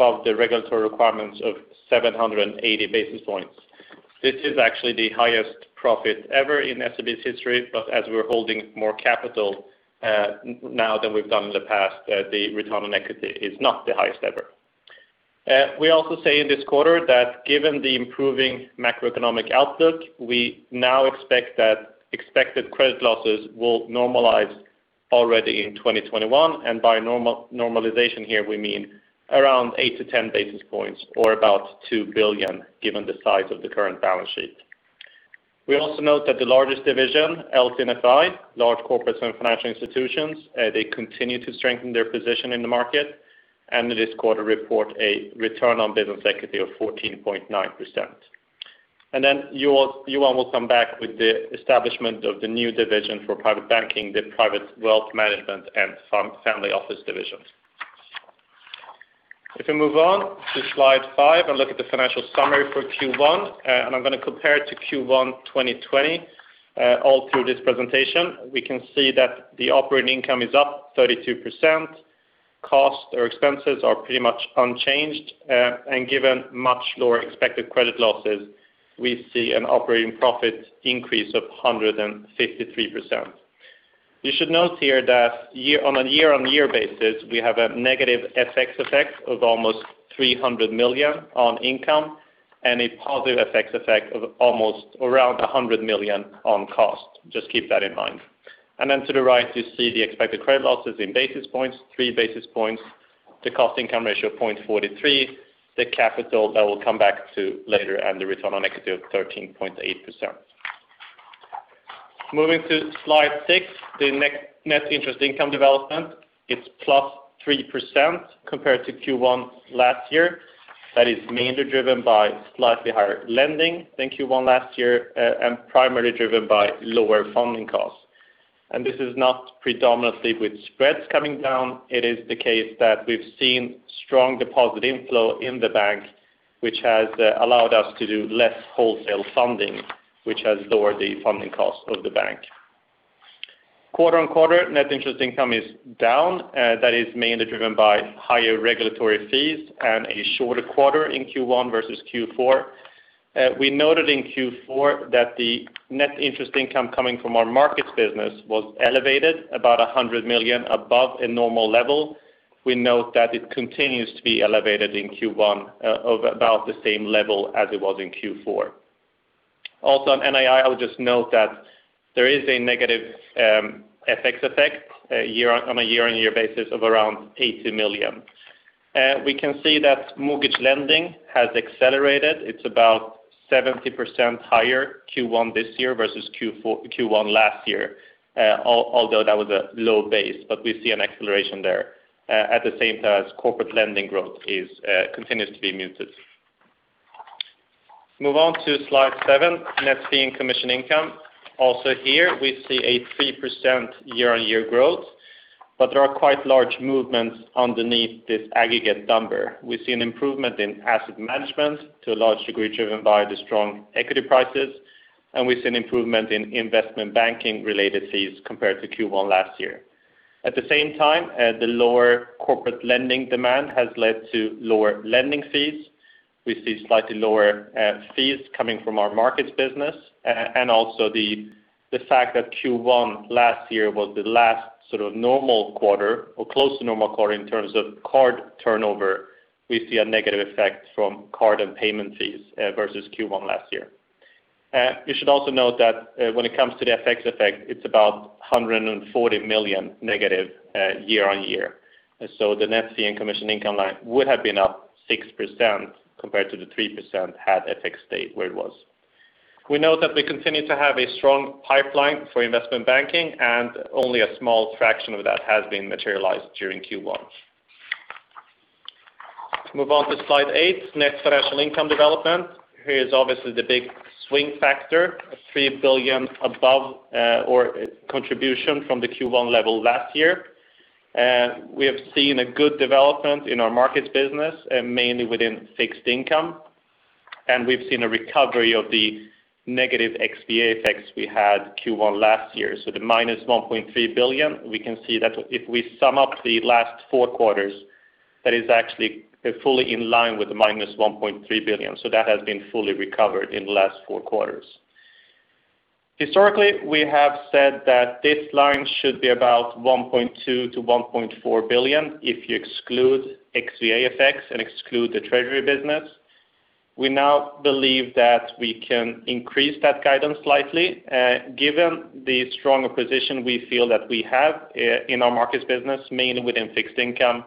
Above the regulatory requirements of 780 basis points. This is actually the highest profit ever in SEB's history, but as we're holding more capital now than we've done in the past, the return on equity is not the highest ever. We also say in this quarter that given the improving macroeconomic outlook, we now expect that expected credit losses will normalize already in 2021. By normalization here we mean around 8-10 basis points or about 2 billion, given the size of the current balance sheet. We also note that the largest division, LC&FI, Large Corporates & Financial Institutions, they continue to strengthen their position in the market, and this quarter report a return on business equity of 14.9%. Johan will come back with the establishment of the new division for private banking, the Private Wealth Management & Family Office divisions. If we move on to slide five and look at the financial summary for Q1, and I'm going to compare it to Q1 2020 all through this presentation. We can see that the operating income is up 32%, cost or expenses are pretty much unchanged, and given much lower expected credit losses, we see an operating profit increase of 153%. You should note here that on a year-on-year basis, we have a negative FX effect of almost 300 million on income and a positive FX effect of almost around 100 million on cost. Just keep that in mind. To the right, you see the expected credit losses in basis points, three basis points, the cost income ratio 0.43, the capital that we'll come back to later, and the return on equity of 13.8%. Moving to slide six, the net interest income development. It's plus 3% compared to Q1 last year. That is mainly driven by slightly higher lending than Q1 last year, primarily driven by lower funding costs. This is not predominantly with spreads coming down. It is the case that we've seen strong deposit inflow in the bank, which has allowed us to do less wholesale funding, which has lowered the funding cost of the bank. Quarter-on-quarter, net interest income is down. That is mainly driven by higher regulatory fees and a shorter quarter in Q1 versus Q4. We noted in Q4 that the net interest income coming from our markets business was elevated about 100 million above a normal level. We note that it continues to be elevated in Q1 of about the same level as it was in Q4. On NII, I'll just note that there is a negative FX effect on a year-on-year basis of around 80 million. We can see that mortgage lending has accelerated. It's about 70% higher Q1 this year versus Q1 last year, although that was a low base. We see an acceleration there at the same time as corporate lending growth continues to be muted. Move on to slide seven, net fee and commission income. Here we see a 3% year-on-year growth, there are quite large movements underneath this aggregate number. We see an improvement in asset management to a large degree driven by the strong equity prices, and we see an improvement in investment banking related fees compared to Q1 last year. At the same time, the lower corporate lending demand has led to lower lending fees. We see slightly lower fees coming from our markets business, and also the fact that Q1 last year was the last sort of normal quarter or close to normal quarter in terms of card turnover. We see a negative effect from card and payment fees versus Q1 last year. You should also note that when it comes to the FX effect, it's about -140 million year-on-year. The net fee and commission income line would have been up 6% compared to the 3% had FX stayed where it was. We note that we continue to have a strong pipeline for investment banking, and only a small fraction of that has been materialized during Q1. Move on to slide eight, net financial income development. Here is obviously the big swing factor of 3 billion above or contribution from the Q1 level last year. We have seen a good development in our markets business, mainly within fixed income. We've seen a recovery of the negative XVA effects we had Q1 last year. The -1.3 billion, we can see that if we sum up the last four quarters, that is actually fully in line with the minus 1.3 billion. That has been fully recovered in the last four quarters. Historically, we have said that this line should be about 1.2 billion-1.4 billion if you exclude XVA effects and exclude the treasury business. We now believe that we can increase that guidance slightly given the stronger position we feel that we have in our markets business, mainly within fixed income,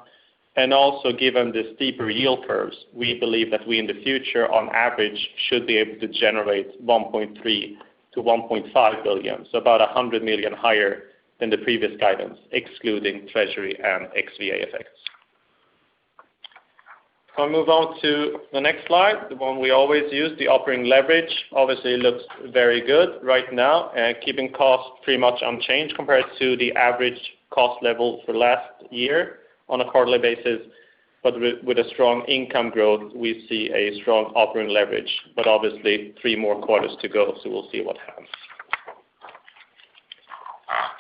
and also given the steeper yield curves. We believe that we, in the future on average, should be able to generate 1.3 billion-1.5 billion, so about 100 million higher than the previous guidance, excluding treasury and XVA effects. I move on to the next slide, the one we always use, the operating leverage obviously looks very good right now and keeping costs pretty much unchanged compared to the average cost level for last year on a quarterly basis. With a strong income growth, we see a strong operating leverage. Obviously three more quarters to go, so we'll see what happens.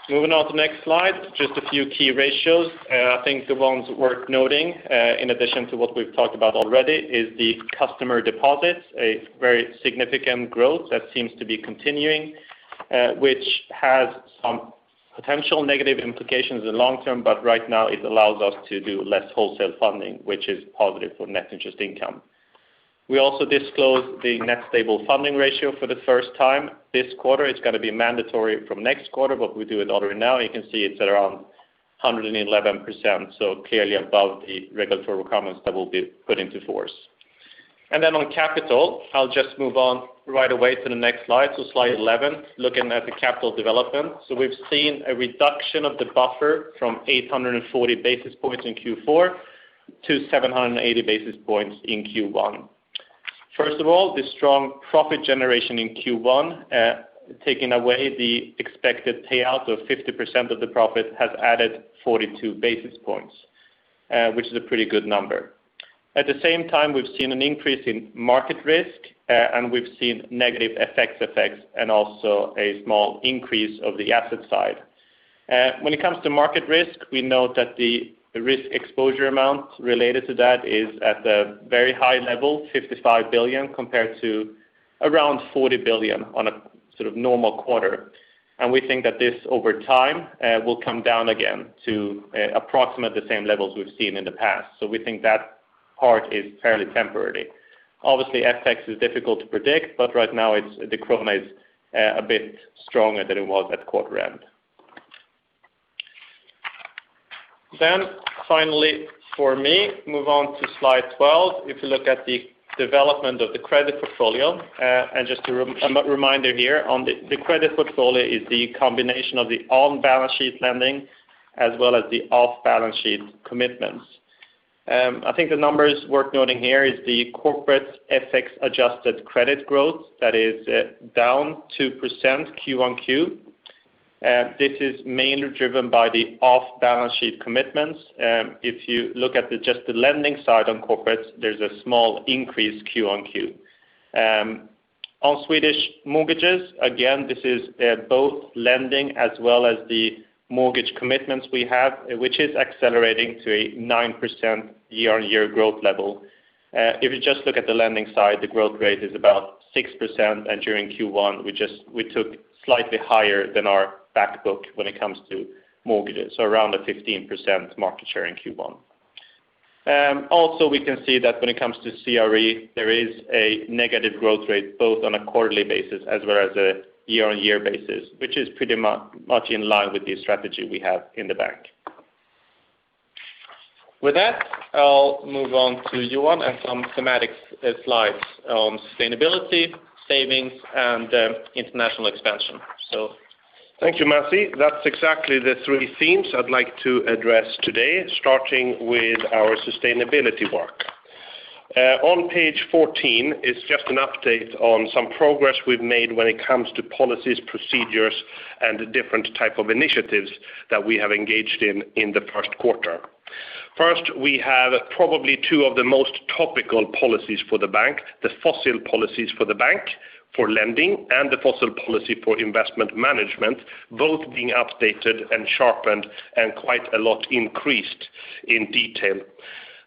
Moving on to the next slide, just a few key ratios. I think the ones worth noting, in addition to what we've talked about already, is the customer deposits, a very significant growth that seems to be continuing, which has some potential negative implications in long term, but right now it allows us to do less wholesale funding, which is positive for net interest income. We also disclose the net stable funding ratio for the first time this quarter. It's gonna be mandatory for next quarter. We do it already now. You can see it's at around 111%, clearly above the regulatory requirements that will be put into force. On capital, I'll just move on right away to the next slide. Slide 11, looking at the capital development. We've seen a reduction of the buffer from 840 basis points in Q4 to 780 basis points in Q1. The strong profit generation in Q1, taking away the expected payout of 50% of the profit has added 42 basis points, which is a pretty good number. We've seen an increase in market risk, and we've seen negative FX effects and also a small increase of the asset side. When it comes to market risk, we note that the risk exposure amount related to that is at the very high level, 55 billion, compared to around 40 billion on a normal quarter. We think that this, over time, will come down again to approximate the same levels we've seen in the past. We think that part is fairly temporary. Obviously, FX is difficult to predict, but right now the krona is a bit stronger than it was at quarter end. Finally, for me, move on to slide 12. If you look at the development of the credit portfolio, just a reminder here, the credit portfolio is the combination of the on-balance sheet lending as well as the off-balance sheet commitments. I think the numbers worth noting here is the corporate FX-adjusted credit growth that is down 2% quarter-on-quarter. This is mainly driven by the off-balance sheet commitments. If you look at just the lending side on corporates, there's a small increase quarter-on-quarter. On Swedish mortgages, again, this is both lending as well as the mortgage commitments we have, which is accelerating to a 9% year-on-year growth level. If you just look at the lending side, the growth rate is about 6%, and during Q1, we took slightly higher than our back book when it comes to mortgages, so around a 15% market share in Q1. Also, we can see that when it comes to CRE, there is a negative growth rate both on a quarterly basis as well as a year-on-year basis, which is pretty much in line with the strategy we have in the bank. With that, I'll move on to Johan and some thematic slides on sustainability, savings, and international expansion. Thank you, Masih. That's exactly the three themes I'd like to address today, starting with our sustainability work. On page 14 is just an update on some progress we've made when it comes to policies, procedures, and the different type of initiatives that we have engaged in the first quarter. First, we have probably two of the most topical policies for the bank, the fossil policies for the bank for lending and the fossil policy for investment management, both being updated and sharpened and quite a lot increased in detail.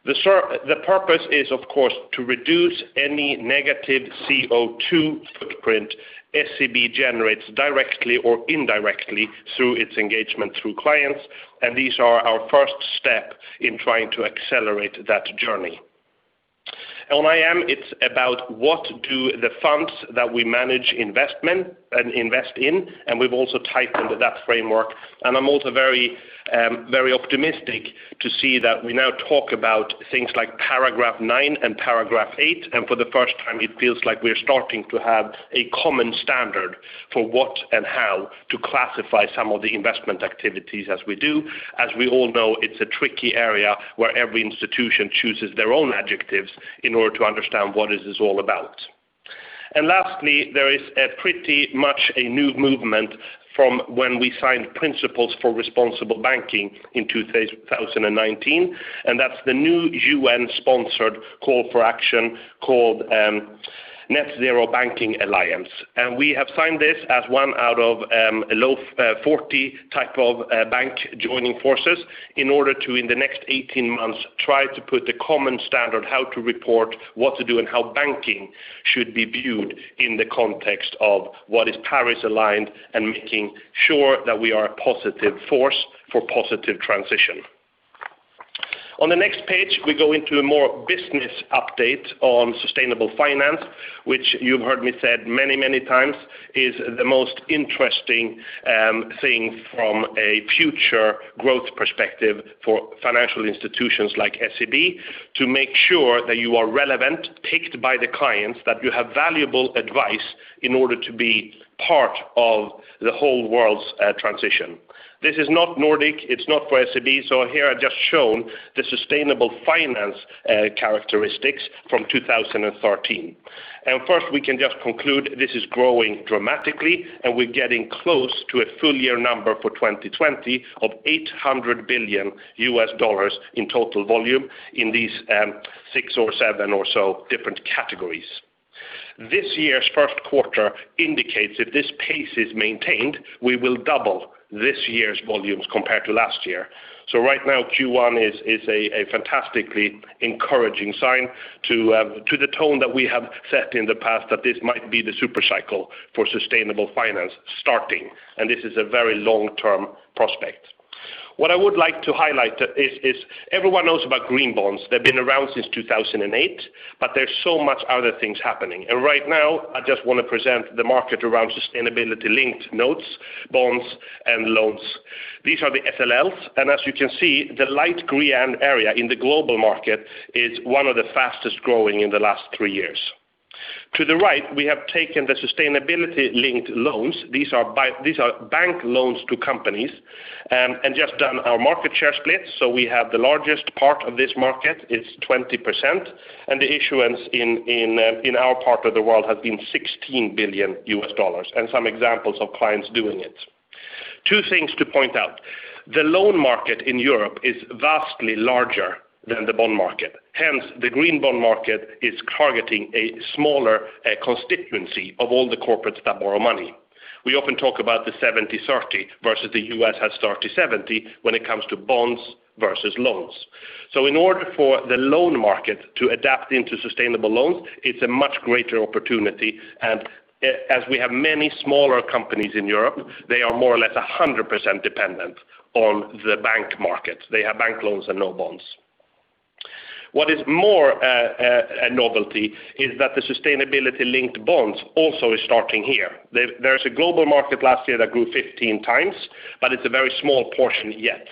The purpose is, of course, to reduce any negative CO2 footprint SEB generates directly or indirectly through its engagement through clients. These are our first step in trying to accelerate that journey. On IM, it's about what do the funds that we manage invest in. We've also tightened that framework. I'm also very optimistic to see that we now talk about things like paragraph nine and paragraph eight, and for the first time it feels like we're starting to have a common standard for what and how to classify some of the investment activities as we do. As we all know, it's a tricky area where every institution chooses their own adjectives in order to understand what this is all about. Lastly, there is pretty much a new movement from when we signed Principles for Responsible Banking in 2019, and that's the new UN-sponsored call for action called Net-Zero Banking Alliance. We have signed this as one out of a low 40 type of bank joining forces in order to, in the next 18 months, try to put the common standard, how to report what to do and how banking should be viewed in the context of what is Paris-aligned and making sure that we are a positive force for positive transition. On the next page, we go into a more business update on sustainable finance, which you've heard me said many, many times is the most interesting thing from a future growth perspective for financial institutions like SEB to make sure that you are relevant, picked by the clients, that you have valuable advice in order to be part of the whole world's transition. This is not Nordic, it's not for SEB. Here I've just shown the sustainable finance characteristics from 2013. First, we can just conclude this is growing dramatically and we're getting close to a full year number for 2020 of $800 billion in total volume in these six or seven or so different categories. This year's first quarter indicates if this pace is maintained, we will double this year's volumes compared to last year. Right now, Q1 is a fantastically encouraging sign to the tone that we have set in the past that this might be the super cycle for sustainable finance starting, and this is a very long-term prospect. What I would like to highlight is everyone knows about green bonds. They've been around since 2008, but there's so much other things happening. Right now, I just want to present the market around sustainability-linked notes, bonds, and loans. These are the SLLs. As you can see, the light green area in the global market is one of the fastest-growing in the last three years. To the right, we have taken the sustainability-linked loans, these are bank loans to companies, and just done our market share split. We have the largest part of this market is 20%, and the issuance in our part of the world has been $16 billion, and some examples of clients doing it. Two things to point out. The loan market in Europe is vastly larger than the bond market, hence the green bond market is targeting a smaller constituency of all the corporates that borrow money. We often talk about the 70/30 versus the U.S. has 30/70 when it comes to bonds versus loans. In order for the loan market to adapt into sustainable loans, it's a much greater opportunity. As we have many smaller companies in Europe, they are more or less 100% dependent on the bank market. They have bank loans and no bonds. What is more a novelty is that the sustainability-linked bonds also is starting here. There's a global market last year that grew 15 times, but it's a very small portion yet.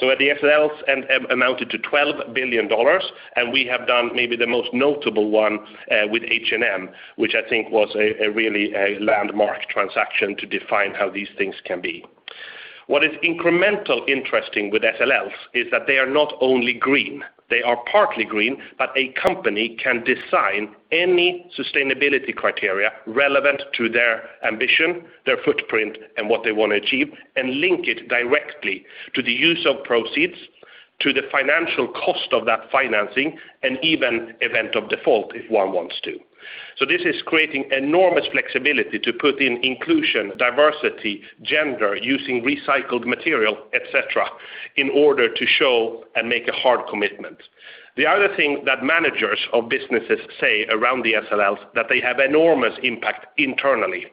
The SLLs amounted to $12 billion, and we have done maybe the most notable one with H&M, which I think was a really landmark transaction to define how these things can be. What is incremental interesting with SLLs is that they are not only green, they are partly green, but a company can design any sustainability criteria relevant to their ambition, their footprint, and what they want to achieve, and link it directly to the use of proceeds to the financial cost of that financing, and even event of default if one wants to. This is creating enormous flexibility to put in inclusion, diversity, gender, using recycled material, et cetera, in order to show and make a hard commitment. The other thing that managers of businesses say around the SLLs, that they have enormous impact internally.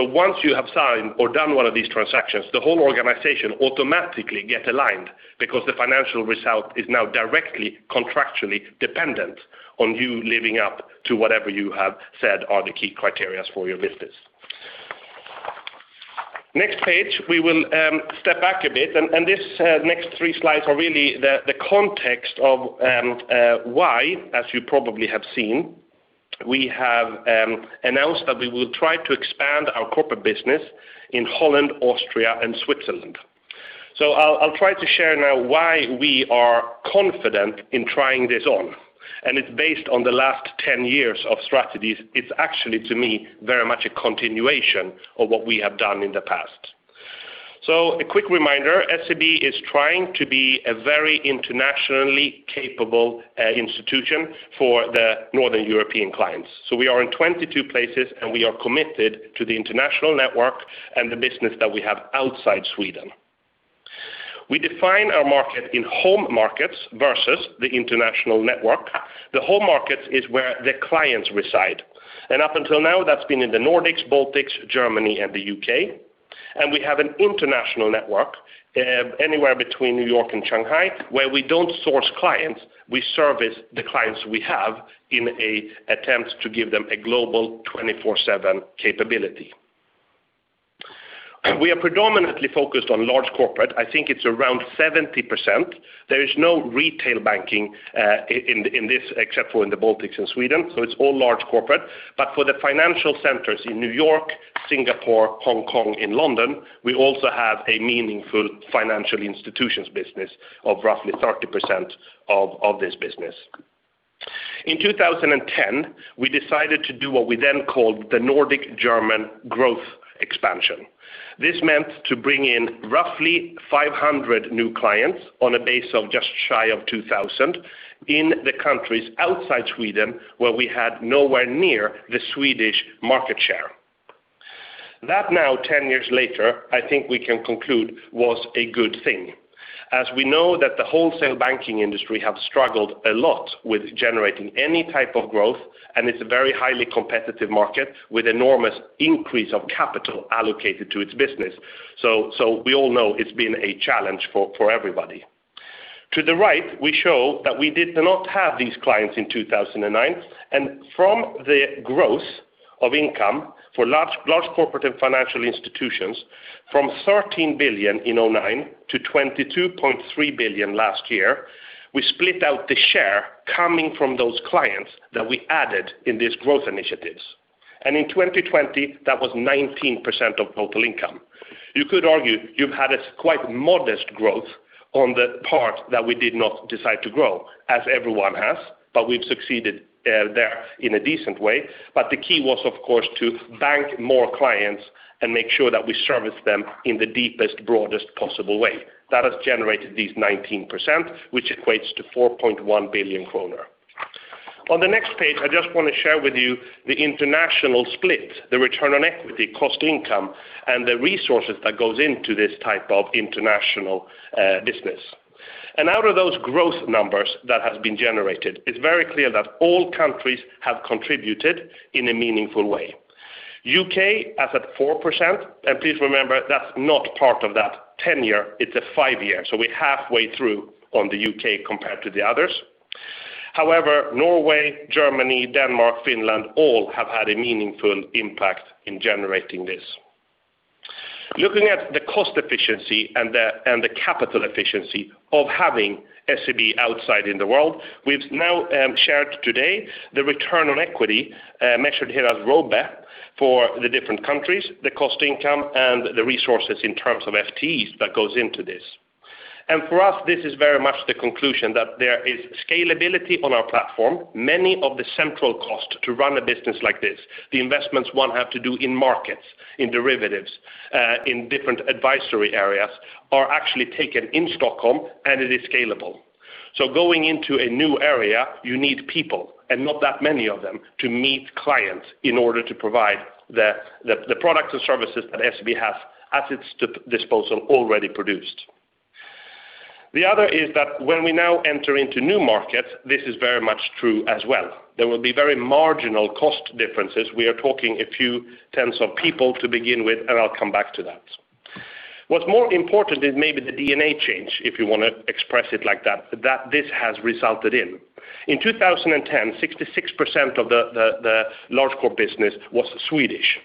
Once you have signed or done one of these transactions, the whole organization automatically gets aligned because the financial result is now directly contractually dependent on you living up to whatever you have said are the key criteria for your business. Next page, we will step back a bit, and this next three slides are really the context of why, as you probably have seen, we have announced that we will try to expand our corporate business in Holland, Austria, and Switzerland. I'll try to share now why we are confident in trying this on, and it's based on the last 10 years of strategies. It's actually, to me, very much a continuation of what we have done in the past. A quick reminder, SEB is trying to be a very internationally capable institution for the Northern European clients. We are in 22 places, and we are committed to the international network and the business that we have outside Sweden. We define our market in home markets versus the international network. The home market is where the clients reside. Up until now, that's been in the Nordics, Baltics, Germany, and the U.K. We have an international network anywhere between New York and Shanghai, where we don't source clients. We service the clients we have in an attempt to give them a global 24/7 capability. We are predominantly focused on large corporate. I think it's around 70%. There is no retail banking in this except for in the Baltics and Sweden, so it's all large corporate. For the financial centers in New York, Singapore, Hong Kong, and London, we also have a meaningful financial institutions business of roughly 30% of this business. In 2010, we decided to do what we then called the Nordic-German growth expansion. This meant to bring in roughly 500 new clients on a base of just shy of 2,000 in the countries outside Sweden, where we had nowhere near the Swedish market share. That now, 10 years later, I think we can conclude was a good thing. We know that the wholesale banking industry have struggled a lot with generating any type of growth, and it's a very highly competitive market with enormous increase of capital allocated to its business. We all know it's been a challenge for everybody. To the right, we show that we did not have these clients in 2009, and from the growth of income for Large Corporates & Financial Institutions, from 13 billion in 2009 to 22.3 billion last year, we split out the share coming from those clients that we added in these growth initiatives. In 2020, that was 19% of total income. You could argue you've had a quite modest growth on the part that we did not decide to grow, as everyone has, but we've succeeded there in a decent way. The key was, of course, to bank more clients and make sure that we service them in the deepest, broadest possible way. That has generated these 19%, which equates to 4.1 billion kronor. On the next page, I just want to share with you the international split, the return on equity, cost income, and the resources that goes into this type of international business. Out of those growth numbers that have been generated, it's very clear that all countries have contributed in a meaningful way. U.K. as at 4%, please remember, that's not part of that 10-year, it's a five-year. We're halfway through on the U.K. compared to the others. Norway, Germany, Denmark, Finland, all have had a meaningful impact in generating this. Looking at the cost efficiency and the capital efficiency of having SEB outside in the world, we've now shared today the return on equity, measured here as ROBE, for the different countries, the cost income, and the resources in terms of FTEs that goes into this. For us, this is very much the conclusion that there is scalability on our platform. Many of the central cost to run a business like this, the investments one have to do in markets, in derivatives, in different advisory areas, are actually taken in Stockholm, and it is scalable. Going into a new area, you need people, and not that many of them, to meet clients in order to provide the products and services that SEB have at its disposal already produced. The other is that when we now enter into new markets, this is very much true as well. There will be very marginal cost differences. We are talking a few tens of people to begin with, and I'll come back to that. What's more important is maybe the DNA change, if you want to express it like that this has resulted in. In 2010, 66% of the large corp business was Swedish.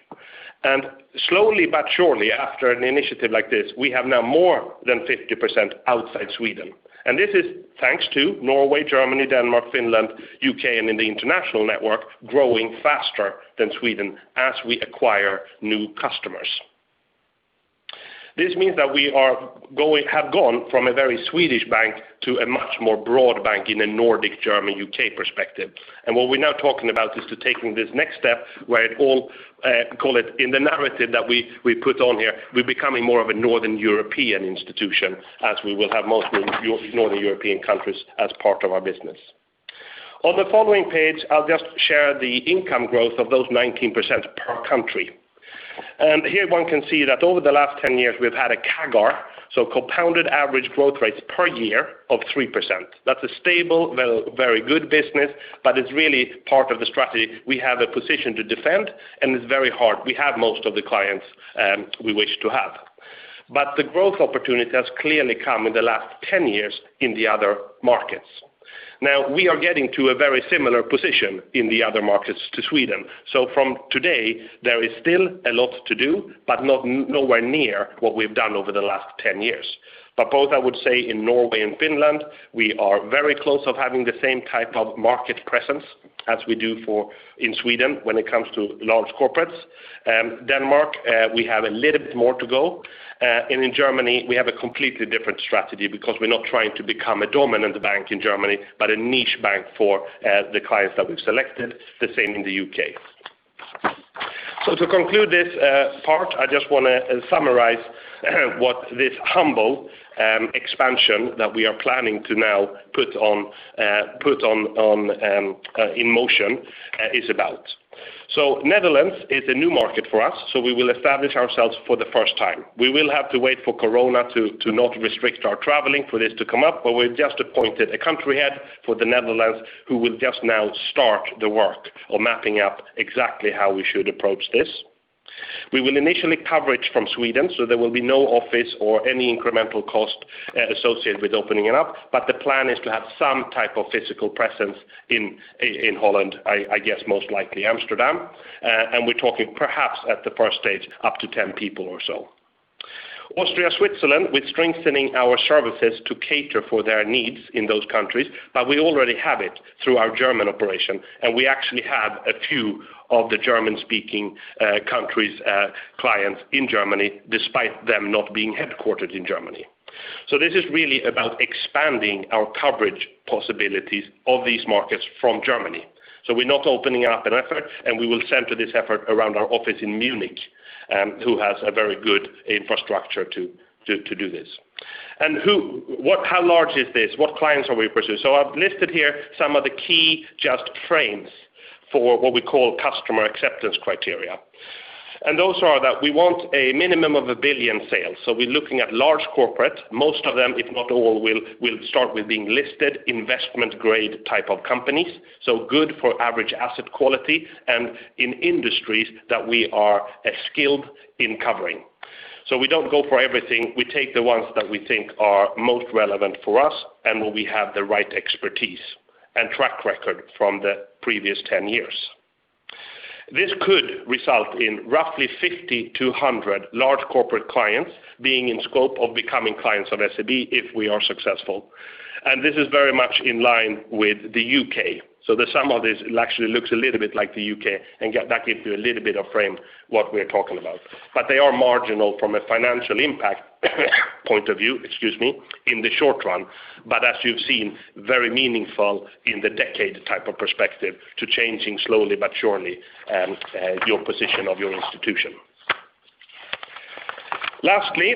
Slowly but surely, after an initiative like this, we have now more than 50% outside Sweden. This is thanks to Norway, Germany, Denmark, Finland, U.K., and in the international network, growing faster than Sweden as we acquire new customers. This means that we have gone from a very Swedish bank to a much more broad bank in a Nordic-Germany-U.K. perspective. What we're now talking about is to taking this next step where it all, call it in the narrative that we put on here, we're becoming more of a Northern European institution as we will have most Northern European countries as part of our business. On the following page, I'll just share the income growth of those 19% per country. Here one can see that over the last 10 years, we've had a CAGR, so compounded average growth rates per year of 3%. That's a stable, very good business, but it's really part of the strategy. We have a position to defend, and it's very hard. We have most of the clients we wish to have. The growth opportunity has clearly come in the last 10 years in the other markets. Now, we are getting to a very similar position in the other markets to Sweden. From today, there is still a lot to do, but nowhere near what we've done over the last 10 years. Both I would say in Norway and Finland, we are very close of having the same type of market presence as we do in Sweden when it comes to large corporates. Denmark we have a little bit more to go. In Germany, we have a completely different strategy because we're not trying to become a dominant bank in Germany, but a niche bank for the clients that we've selected, the same in the U.K. To conclude this part, I just want to summarize what this humble expansion that we are planning to now put in motion is about. Netherlands is a new market for us, so we will establish ourselves for the first time. We will have to wait for Corona to not restrict our traveling for this to come up, but we've just appointed a country head for the Netherlands who will just now start the work of mapping out exactly how we should approach this. We will initially coverage from Sweden, so there will be no office or any incremental cost associated with opening it up, but the plan is to have some type of physical presence in Holland, I guess most likely Amsterdam. We're talking perhaps at the first stage, up to 10 people or so. Austria, Switzerland, we're strengthening our services to cater for their needs in those countries, but we already have it through our German operation, and we actually have a few of the German-speaking countries' clients in Germany, despite them not being headquartered in Germany. This is really about expanding our coverage possibilities of these markets from Germany. We're not opening up an effort, and we will center this effort around our office in Munich who has a very good infrastructure to do this. How large is this? What clients are we pursuing? I've listed here some of the key just frames for what we call customer acceptance criteria. Those are that we want a minimum of 1 billion sales. We're looking at large corporate. Most of them, if not all, will start with being listed investment grade type of companies, so good for average asset quality and in industries that we are skilled in covering. We don't go for everything. We take the ones that we think are most relevant for us and where we have the right expertise and track record from the previous 10 years. This could result in roughly 5,200 large corporate clients being in scope of becoming clients of SEB if we are successful. This is very much in line with the U.K. The sum of this actually looks a little bit like the U.K. and that gives you a little bit of frame what we're talking about. They are marginal from a financial impact point of view, excuse me, in the short run, but as you've seen, very meaningful in the decade type of perspective to changing slowly but surely your position of your institution. Lastly,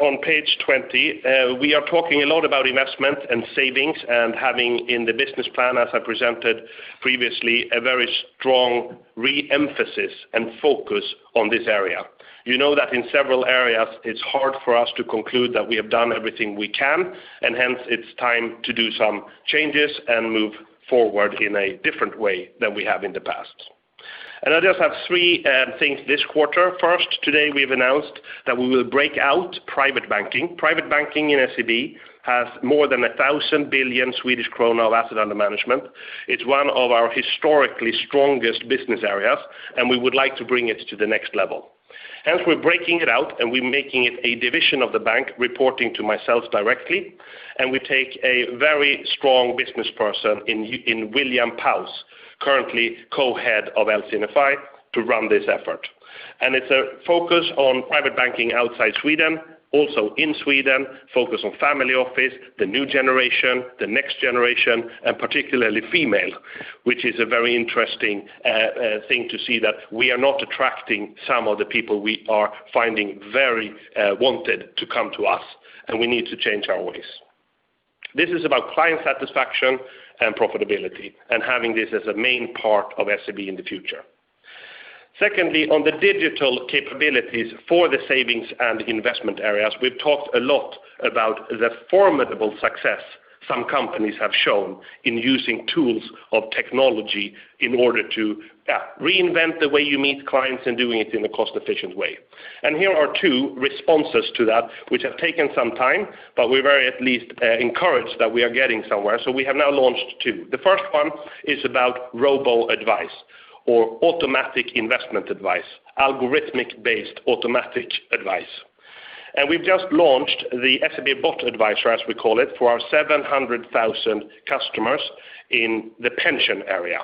on page 20, we are talking a lot about investment and savings and having in the business plan, as I presented previously, a very strong re-emphasis and focus on this area. You know that in several areas it's hard for us to conclude that we have done everything we can, and hence it's time to do some changes and move forward in a different way than we have in the past. I just have three things this quarter. First, today we've announced that we will break out Private Banking. Private Banking in SEB has more than 1 trillion Swedish krona of asset under management. It's one of our historically strongest business areas, and we would like to bring it to the next level. Hence, we're breaking it out, and we're making it a division of the bank reporting to myself directly. We take a very strong business person in William Paus, currently Co-Head of LC&FI, to run this effort. It's a focus on private banking outside Sweden, also in Sweden, focus on family office, the new generation, the next generation, and particularly female, which is a very interesting thing to see that we are not attracting some of the people we are finding very wanted to come to us, and we need to change our ways. This is about client satisfaction and profitability and having this as a main part of SEB in the future. Secondly, on the digital capabilities for the savings and investment areas, we've talked a lot about the formidable success some companies have shown in using tools of technology in order to reinvent the way you meet clients and doing it in a cost-efficient way. Here are two responses to that which have taken some time, but we're very at least encouraged that we are getting somewhere. We have now launched two. The first one is about robo-advice or automatic investment advice, algorithmic-based automatic advice. We've just launched the SEB Bot Advisor, as we call it, for our 700,000 customers in the pension area.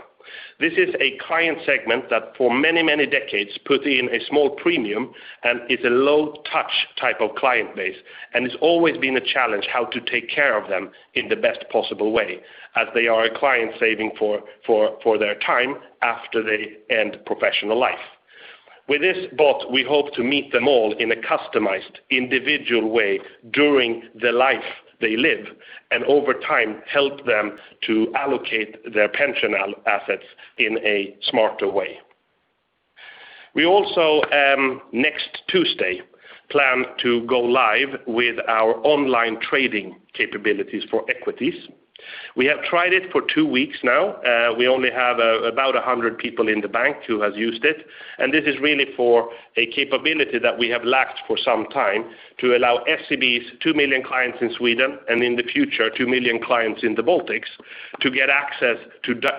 This is a client segment that for many, many decades put in a small premium and is a low-touch type of client base. It's always been a challenge how to take care of them in the best possible way as they are a client saving for their time after they end professional life. With this bot, we hope to meet them all in a customized individual way during the life they live, and over time help them to allocate their pension assets in a smarter way. We also, next Tuesday, plan to go live with our online trading capabilities for equities. We have tried it for two weeks now. We only have about 100 people in the bank who has used it. This is really for a capability that we have lacked for some time to allow SEB's 2 million clients in Sweden, and in the future, 2 million clients in the Baltics, to get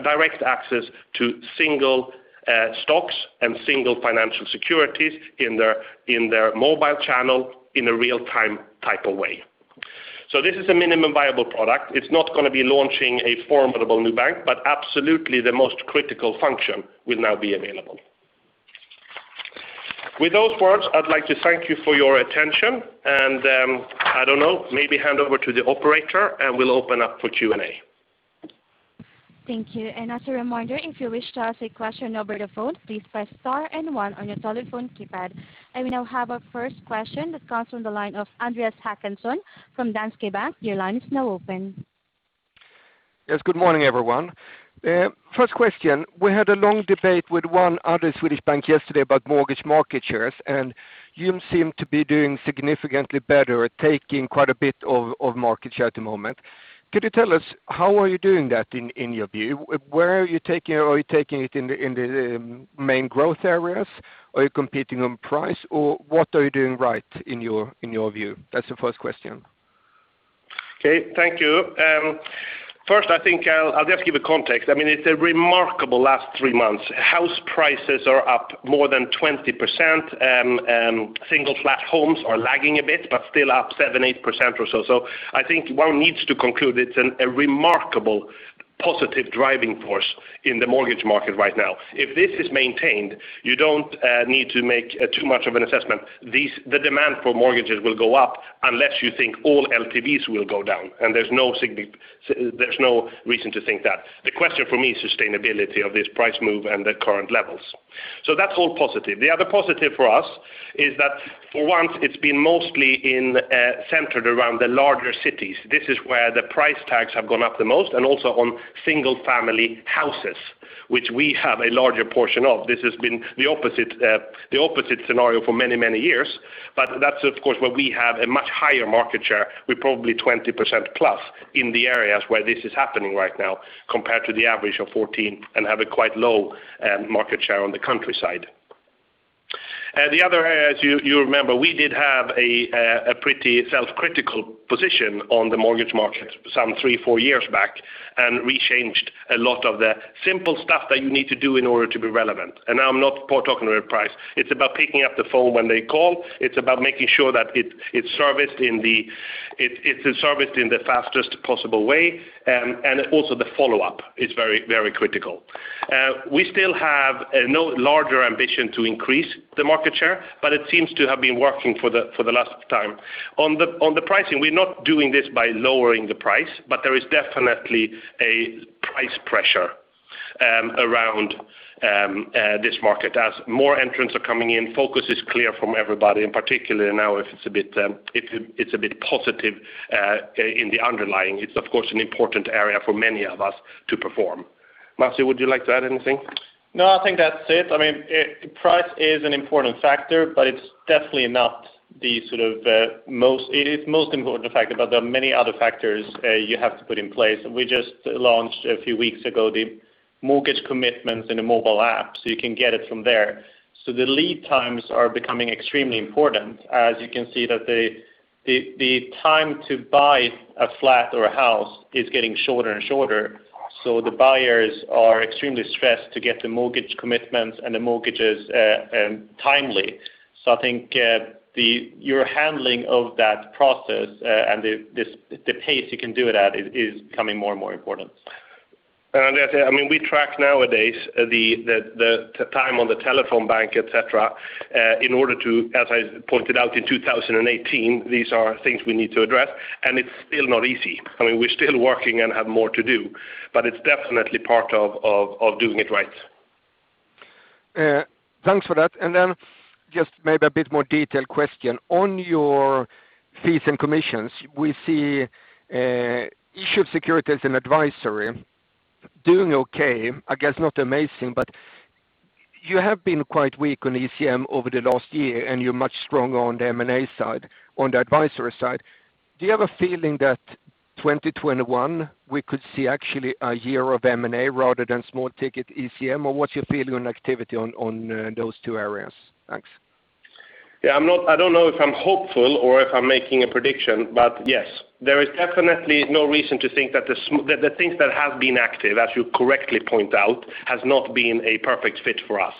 direct access to single stocks and single financial securities in their mobile channel in a real-time type of way. This is a minimum viable product. It's not going to be launching a formidable new bank, but absolutely the most critical function will now be available. With those words, I'd like to thank you for your attention, and I don't know, maybe hand over to the operator, and we'll open up for Q&A. Thank you. As a reminder, if you wish to ask a question over the phone, please press star and one on your telephone keypad. I now have our first question that comes from the line of Andreas Håkansson from Danske Bank. Your line is now open. Good morning, everyone. First question. We had a long debate with one other Swedish bank yesterday about mortgage market shares, and you seem to be doing significantly better at taking quite a bit of market share at the moment. Could you tell us how are you doing that in your view? Where are you taking it? Are you taking it in the main growth areas? Are you competing on price? What are you doing right in your view? That's the first question. Okay, thank you. First, I think I'll just give a context. It's a remarkable last three months. House prices are up more than 20%, and single flat homes are lagging a bit, but still up 7%, 8% or so. I think one needs to conclude it's a remarkable positive driving force in the mortgage market right now. If this is maintained, you don't need to make too much of an assessment. The demand for mortgages will go up unless you think all LTVs will go down, and there's no reason to think that. The question for me is sustainability of this price move and the current levels. That's all positive. The other positive for us is that for once it's been mostly centered around the larger cities. This is where the price tags have gone up the most and also on single-family houses, which we have a larger portion of. This has been the opposite scenario for many, many years. That's of course where we have a much higher market share. We're probably 20% plus in the areas where this is happening right now compared to the average of 14 and have a quite low market share on the countryside. The other areas you remember, we did have a pretty self-critical position on the mortgage market some three, four years back, and we changed a lot of the simple stuff that you need to do in order to be relevant. I'm not talking about price. It's about picking up the phone when they call. It's about making sure that it's serviced in the fastest possible way, and also the follow-up is very critical. We still have no larger ambition to increase the market share, but it seems to have been working for the last time. On the pricing, we're not doing this by lowering the price, but there is definitely a price pressure around this market. As more entrants are coming in, focus is clear from everybody, and particularly now it's a bit positive in the underlying. It's of course, an important area for many of us to perform. Masih, would you like to add anything? I think that's it. Price is an important factor, but it is definitely not the most important factor, but there are many other factors you have to put in place. We just launched a few weeks ago the mortgage commitments in the mobile app, you can get it from there. The lead times are becoming extremely important. As you can see that the time to buy a flat or a house is getting shorter and shorter. The buyers are extremely stressed to get the mortgage commitments and the mortgages timely. I think your handling of that process and the pace you can do it at is becoming more and more important. That's it. We track nowadays the time on the telephone bank, et cetera, in order to, as I pointed out in 2018, these are things we need to address. It's still not easy. We're still working and have more to do. It's definitely part of doing it right. Thanks for that. Just maybe a bit more detailed question. On your fees and commissions, we see issue of securities and advisory doing okay. I guess not amazing, but you have been quite weak on ECM over the last year, and you're much stronger on the M&A side, on the advisory side. Do you have a feeling that 2021 we could see actually a year of M&A rather than small-ticket ECM? What's your feeling on activity on those two areas? Thanks. Yeah. I don't know if I'm hopeful or if I'm making a prediction, but yes. There is definitely no reason to think that the things that have been active, as you correctly point out, has not been a perfect fit for us.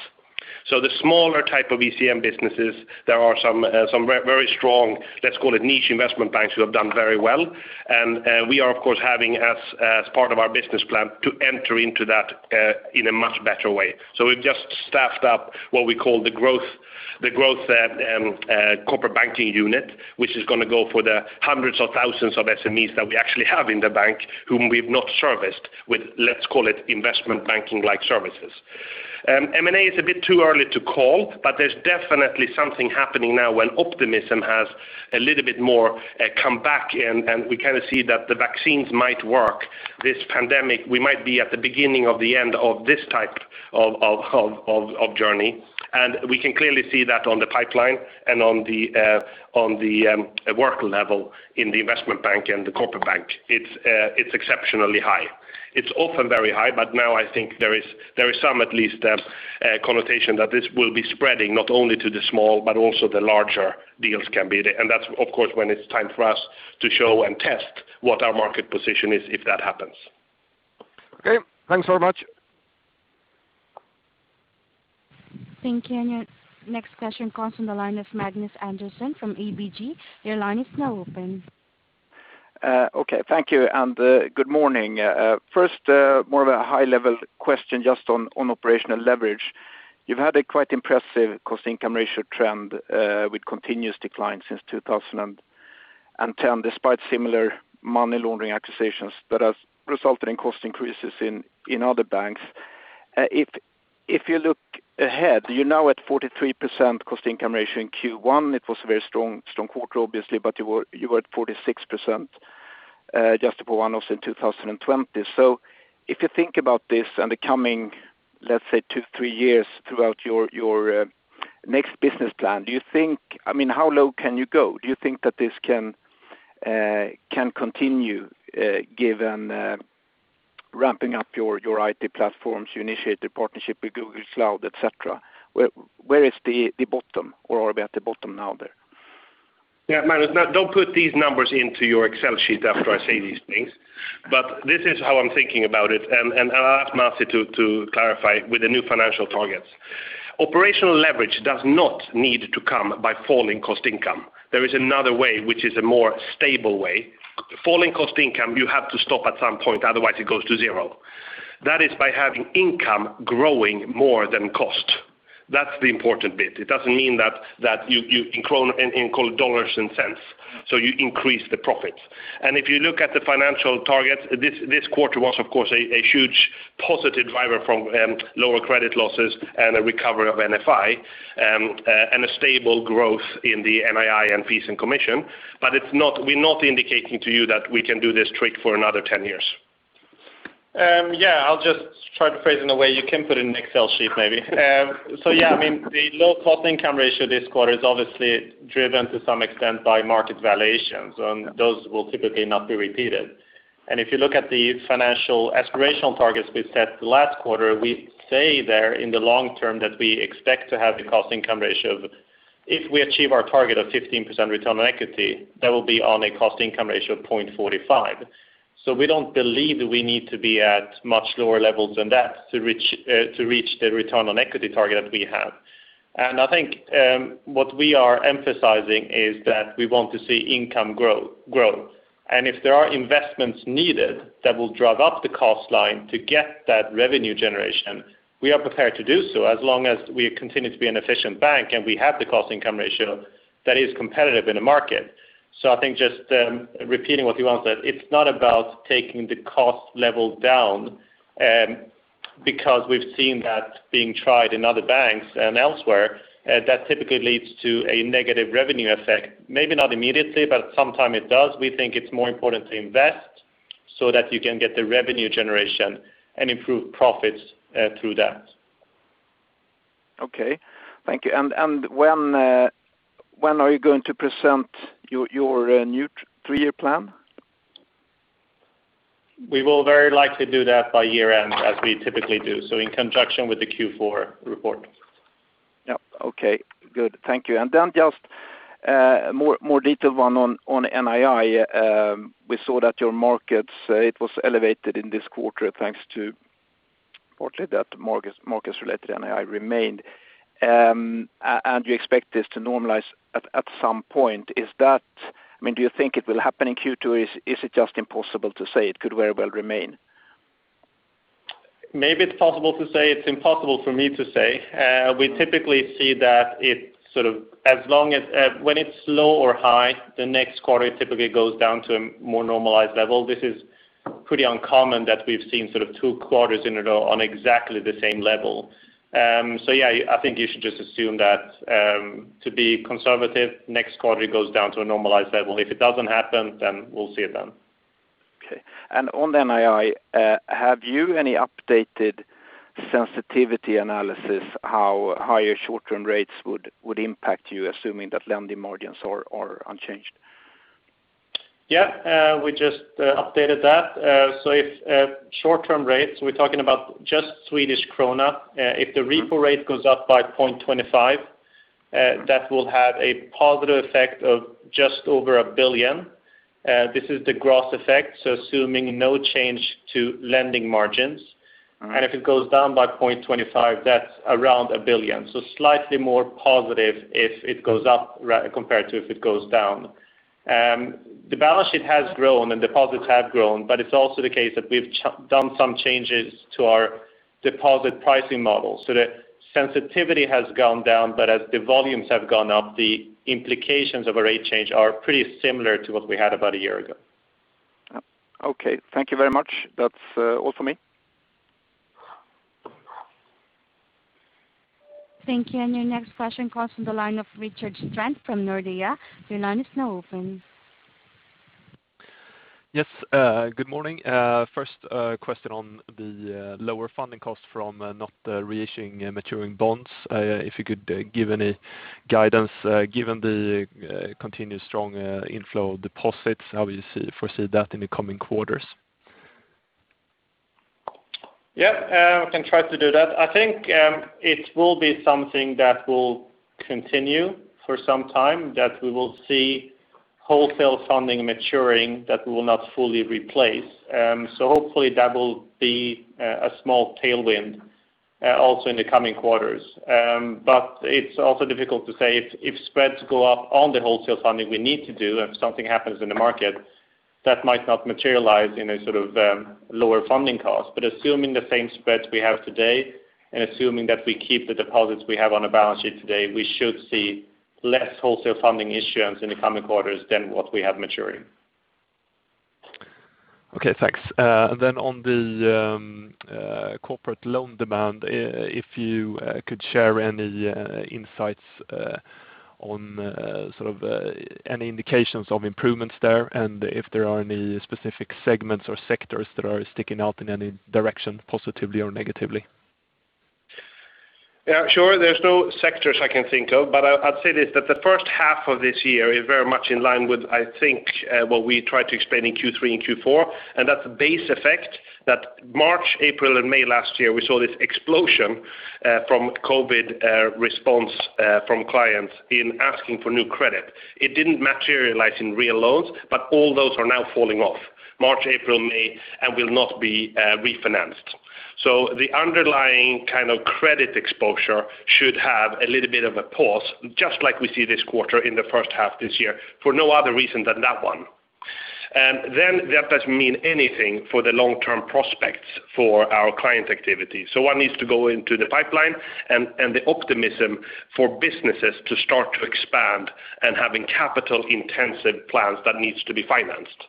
The smaller type of ECM businesses, there are some very strong, let's call it niche investment banks, who have done very well. We are of course having as part of our business plan to enter into that in a much better way. We've just staffed up what we call the growth corporate banking unit, which is going to go for the hundreds of thousands of SMEs that we actually have in the bank whom we've not serviced with, let's call it investment banking-like services. M&A is a bit too early to call. There's definitely something happening now when optimism has a little bit more come back and we see that the vaccines might work. This pandemic, we might be at the beginning of the end of this type of journey. We can clearly see that on the pipeline and on the work level in the investment bank and the corporate bank. It's exceptionally high. It's often very high. Now I think there is some at least connotation that this will be spreading not only to the small but also the larger deals can be there. That's of course when it's time for us to show and test what our market position is if that happens. Okay. Thanks very much. Thank you. Your next question comes from the line of Magnus Andersson from ABG. Your line is now open. Thank you, good morning. First, more of a high-level question just on operational leverage. You've had a quite impressive cost-income ratio trend with continuous decline since 2010, despite similar money laundering accusations that has resulted in cost increases in other banks. If you look ahead, you're now at 43% cost-income ratio in Q1. It was a very strong quarter, obviously, you were at 46% just for one of in 2020. If you think about this and the coming, let's say, two, three years throughout your next business plan, how low can you go? Do you think that this can continue given ramping up your IT platforms, you initiate the partnership with Google Cloud, et cetera? Where is the bottom? Are we at the bottom now there? Magnus. Now, don't put these numbers into your Excel sheet after I say these things, but this is how I'm thinking about it, and I'll ask Masih to clarify with the new financial targets. Operational leverage does not need to come by falling cost income. There is another way which is a more stable way. Falling cost income, you have to stop at some point, otherwise it goes to zero. That is by having income growing more than cost. That's the important bit. It doesn't mean that you incur dollars and cents. You increase the profits. If you look at the financial targets, this quarter was of course a huge positive driver from lower credit losses and a recovery of NFI, and a stable growth in the NII and fees and commission. We're not indicating to you that we can do this trick for another 10 years. Yeah. I'll just try to phrase in a way you can put it in an Excel sheet, maybe. Yeah, the low cost-income ratio this quarter is obviously driven to some extent by market valuations, and those will typically not be repeated. If you look at the financial aspirational targets we set last quarter, we say there in the long term that we expect to have a cost-income ratio of, if we achieve our target of 15% return on equity, that will be on a cost-income ratio of 0.45. We don't believe we need to be at much lower levels than that to reach the return on equity target that we have. I think what we are emphasizing is that we want to see income grow. If there are investments needed that will drive up the cost line to get that revenue generation, we are prepared to do so, as long as we continue to be an efficient bank, and we have the cost-income ratio that is competitive in the market. I think just repeating what Johan said, it's not about taking the cost level down, because we've seen that being tried in other banks and elsewhere, that typically leads to a negative revenue effect. Maybe not immediately, but sometime it does. We think it's more important to invest so that you can get the revenue generation and improve profits through that. Okay. Thank you. When are you going to present your new three-year plan? We will very likely do that by year-end as we typically do. In conjunction with the Q4 report. Yeah. Okay, good. Thank you. Then just more detailed one on NII. We saw that your markets, it was elevated in this quarter thanks to partly that markets-related NII remained. You expect this to normalize at some point. Do you think it will happen in Q2, or is it just impossible to say? It could very well remain. Maybe it's possible to say it's impossible for me to say. We typically see that when it's low or high, the next quarter it typically goes down to a more normalized level. This is pretty uncommon that we've seen two quarters in a row on exactly the same level. Yeah, I think you should just assume that to be conservative, next quarter it goes down to a normalized level. If it doesn't happen, then we'll see it then. Okay. On NII, have you any updated sensitivity analysis how higher short-term rates would impact you, assuming that lending margins are unchanged? Yeah, we just updated that. If short-term rates, we are talking about just SEK. If the repo rate goes up by 0.25, that will have a positive effect of just over 1 billion. This is the gross effect, so assuming no change to lending margins. All right. If it goes down by 0.25, that's around 1 billion. Slightly more positive if it goes up compared to if it goes down. The balance sheet has grown and deposits have grown, but it's also the case that we've done some changes to our deposit pricing model. The sensitivity has gone down. As the volumes have gone up, the implications of a rate change are pretty similar to what we had about a year ago. Yep. Okay. Thank you very much. That's all for me. Thank you. Your next question comes from the line of Rickard Strand from Nordea. Your line is now open. Yes, good morning. First question on the lower funding cost from not reissuing maturing bonds. If you could give any guidance given the continued strong inflow of deposits, how you foresee that in the coming quarters? Yeah, I can try to do that. I think it will be something that will continue for some time, that we will see wholesale funding maturing that we will not fully replace. Hopefully that will be a small tailwind also in the coming quarters. It's also difficult to say if spreads go up on the wholesale funding we need to do, if something happens in the market that might not materialize in a lower funding cost. Assuming the same spreads we have today, and assuming that we keep the deposits we have on the balance sheet today, we should see less wholesale funding issuance in the coming quarters than what we have maturing. Okay, thanks. On the corporate loan demand if you could share any insights on any indications of improvements there, and if there are any specific segments or sectors that are sticking out in any direction, positively or negatively? Sure. There's no sectors I can think of. I'd say this, that the first half of this year is very much in line with, I think, what we tried to explain in Q3 and Q4. That's a base effect that March, April, and May last year, we saw this explosion from COVID response from clients in asking for new credit. It didn't materialize in real loans. All those are now falling off March, April, May, and will not be refinanced. The underlying credit exposure should have a little bit of a pause, just like we see this quarter in the first half this year, for no other reason than that one. That doesn't mean anything for the long-term prospects for our client activity. One needs to go into the pipeline and the optimism for businesses to start to expand and having capital-intensive plans that needs to be financed.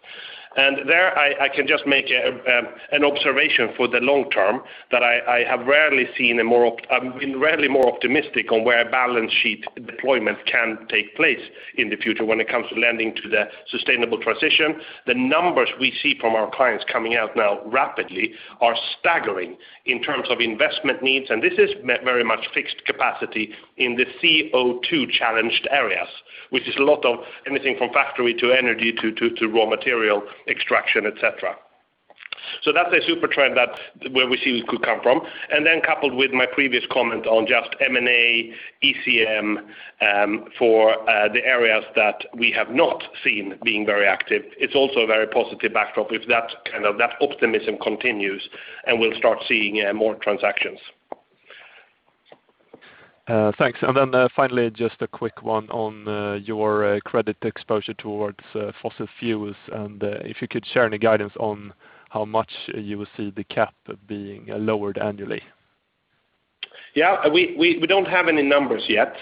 And there I can just make an observation for the long term, that I have been rarely more optimistic on where balance sheet deployment can take place in the future when it comes to lending to the sustainable transition. The numbers we see from our clients coming out now rapidly are staggering in terms of investment needs, and this is very much fixed capacity in the CO2-challenged areas, which is a lot of anything from factory to energy to raw material extraction, et cetera. That's a super trend that where we see we could come from. Coupled with my previous comment on just M&A, ECM, for the areas that we have not seen being very active, it's also a very positive backdrop if that optimism continues and we'll start seeing more transactions. Thanks. Then finally, just a quick one on your credit exposure towards fossil fuels, and if you could share any guidance on how much you will see the cap being lowered annually? Yeah. We don't have any numbers yet,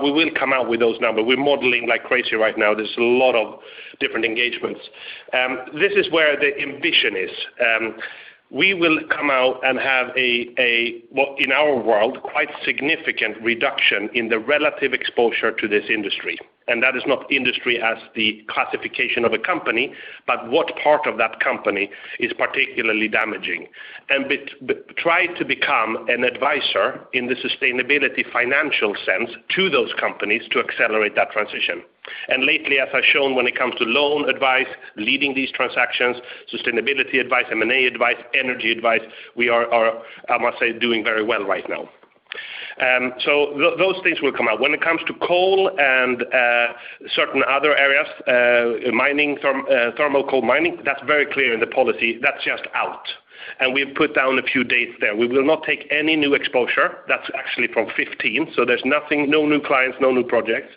we will come out with those numbers. We're modeling like crazy right now. There's a lot of different engagements. This is where the ambition is. We will come out and have, what in our world, quite significant reduction in the relative exposure to this industry. That is not industry as the classification of a company, what part of that company is particularly damaging. Try to become an advisor in the sustainability financial sense to those companies to accelerate that transition. Lately, as I've shown when it comes to loan advice, leading these transactions, sustainability advice, M&A advice, energy advice, we are, I must say, doing very well right now. Those things will come out. When it comes to coal and certain other areas, thermal coal mining, that's very clear in the policy. That's just out. We've put down a few dates there. We will not take any new exposure. That's actually from 2015. There's nothing, no new clients, no new projects.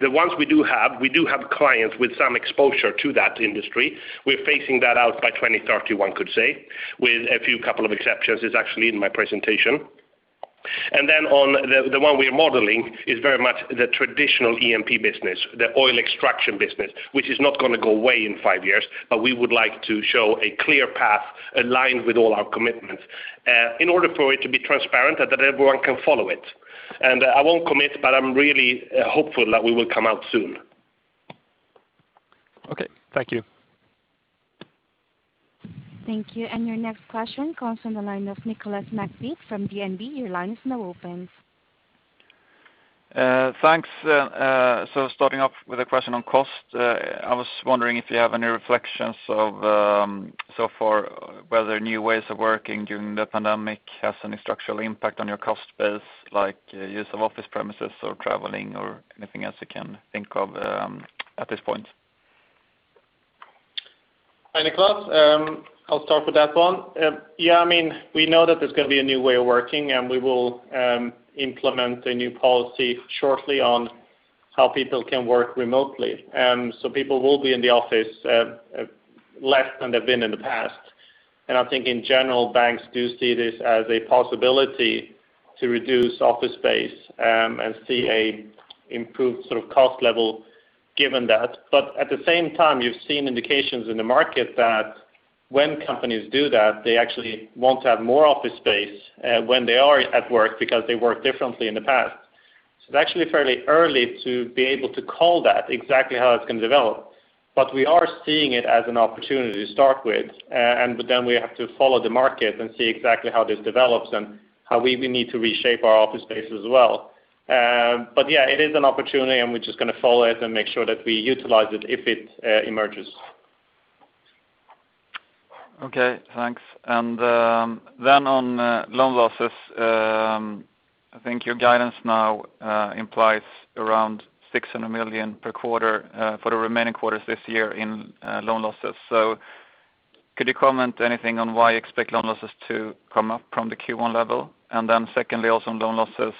The ones we do have, we do have clients with some exposure to that industry. We're phasing that out by 2030, one could say, with a few couple of exceptions. It's actually in my presentation. On the one we are modeling is very much the traditional E&P business, the oil extraction business, which is not going to go away in five years. We would like to show a clear path aligned with all our commitments in order for it to be transparent and that everyone can follow it. I won't commit, but I'm really hopeful that we will come out soon. Okay. Thank you. Thank you. Your next question comes from the line of Nicolas McBeath from DNB. Your line is now open. Thanks. Starting off with a question on cost. I was wondering if you have any reflections so far whether new ways of working during the pandemic has any structural impact on your cost base, like use of office premises or traveling or anything else you can think of at this point? Hi, Nicolas. I'll start with that one. We know that there's going to be a new way of working, and we will implement a new policy shortly on how people can work remotely. People will be in the office less than they've been in the past. I think in general, banks do see this as a possibility to reduce office space and see an improved cost level given that. At the same time, you've seen indications in the market that when companies do that, they actually want to have more office space when they are at work because they worked differently in the past. It's actually fairly early to be able to call that exactly how it's going to develop. We are seeing it as an opportunity to start with. We have to follow the market and see exactly how this develops and how we need to reshape our office space as well. Yeah, it is an opportunity, and we're just going to follow it and make sure that we utilize it if it emerges. Okay, thanks. On loan losses, I think your guidance now implies around 600 million per quarter for the remaining quarters this year in loan losses. Could you comment anything on why you expect loan losses to come up from the Q1 level? Secondly, also on loan losses,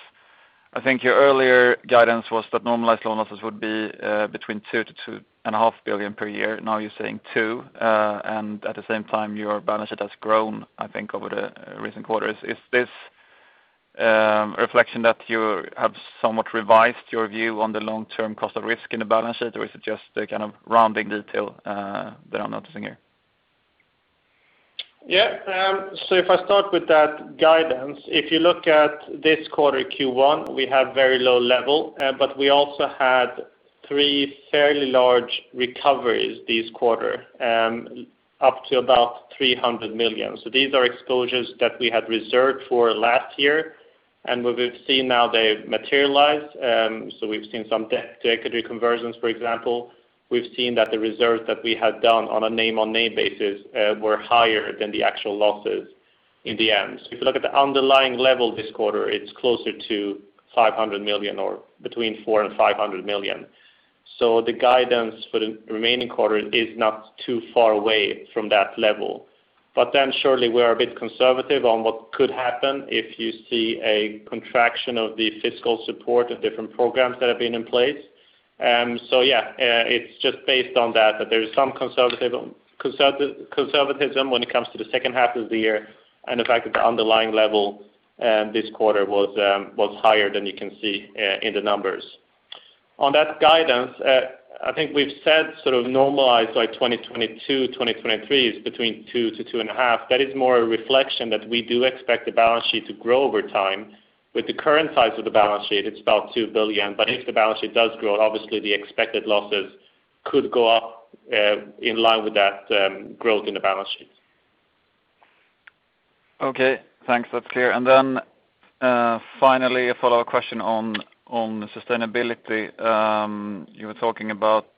I think your earlier guidance was that normalized loan losses would be between 2 billion-2.5 billion per year. You're saying 2 billion, and at the same time, your balance sheet has grown, I think, over the recent quarters. Is this reflection that you have somewhat revised your view on the long-term cost of risk in the balance sheet, or is it just a kind of rounding detail that I'm noticing here? If I start with that guidance, if you look at this quarter, Q1, we have very low level, but we also had three fairly large recoveries this quarter, up to about 300 million. These are exposures that we had reserved for last year, and what we've seen now, they've materialized. We've seen some debt to equity conversions, for example. We've seen that the reserves that we had done on a name on name basis were higher than the actual losses in the end. If you look at the underlying level this quarter, it's closer to 500 million or between 400 million and 500 million. The guidance for the remaining quarter is not too far away from that level. Surely we are a bit conservative on what could happen if you see a contraction of the fiscal support of different programs that have been in place. Yeah, it's just based on that there is some conservatism when it comes to the second half of the year, and the fact that the underlying level this quarter was higher than you can see in the numbers. On that guidance, I think we've said sort of normalized by 2022, 2023 is between two to two and a half. That is more a reflection that we do expect the balance sheet to grow over time. With the current size of the balance sheet, it's about 2 billion. If the balance sheet does grow, obviously the expected losses could go up in line with that growth in the balance sheet. Okay, thanks. That's clear. Then finally, a follow-up question on sustainability. You were talking about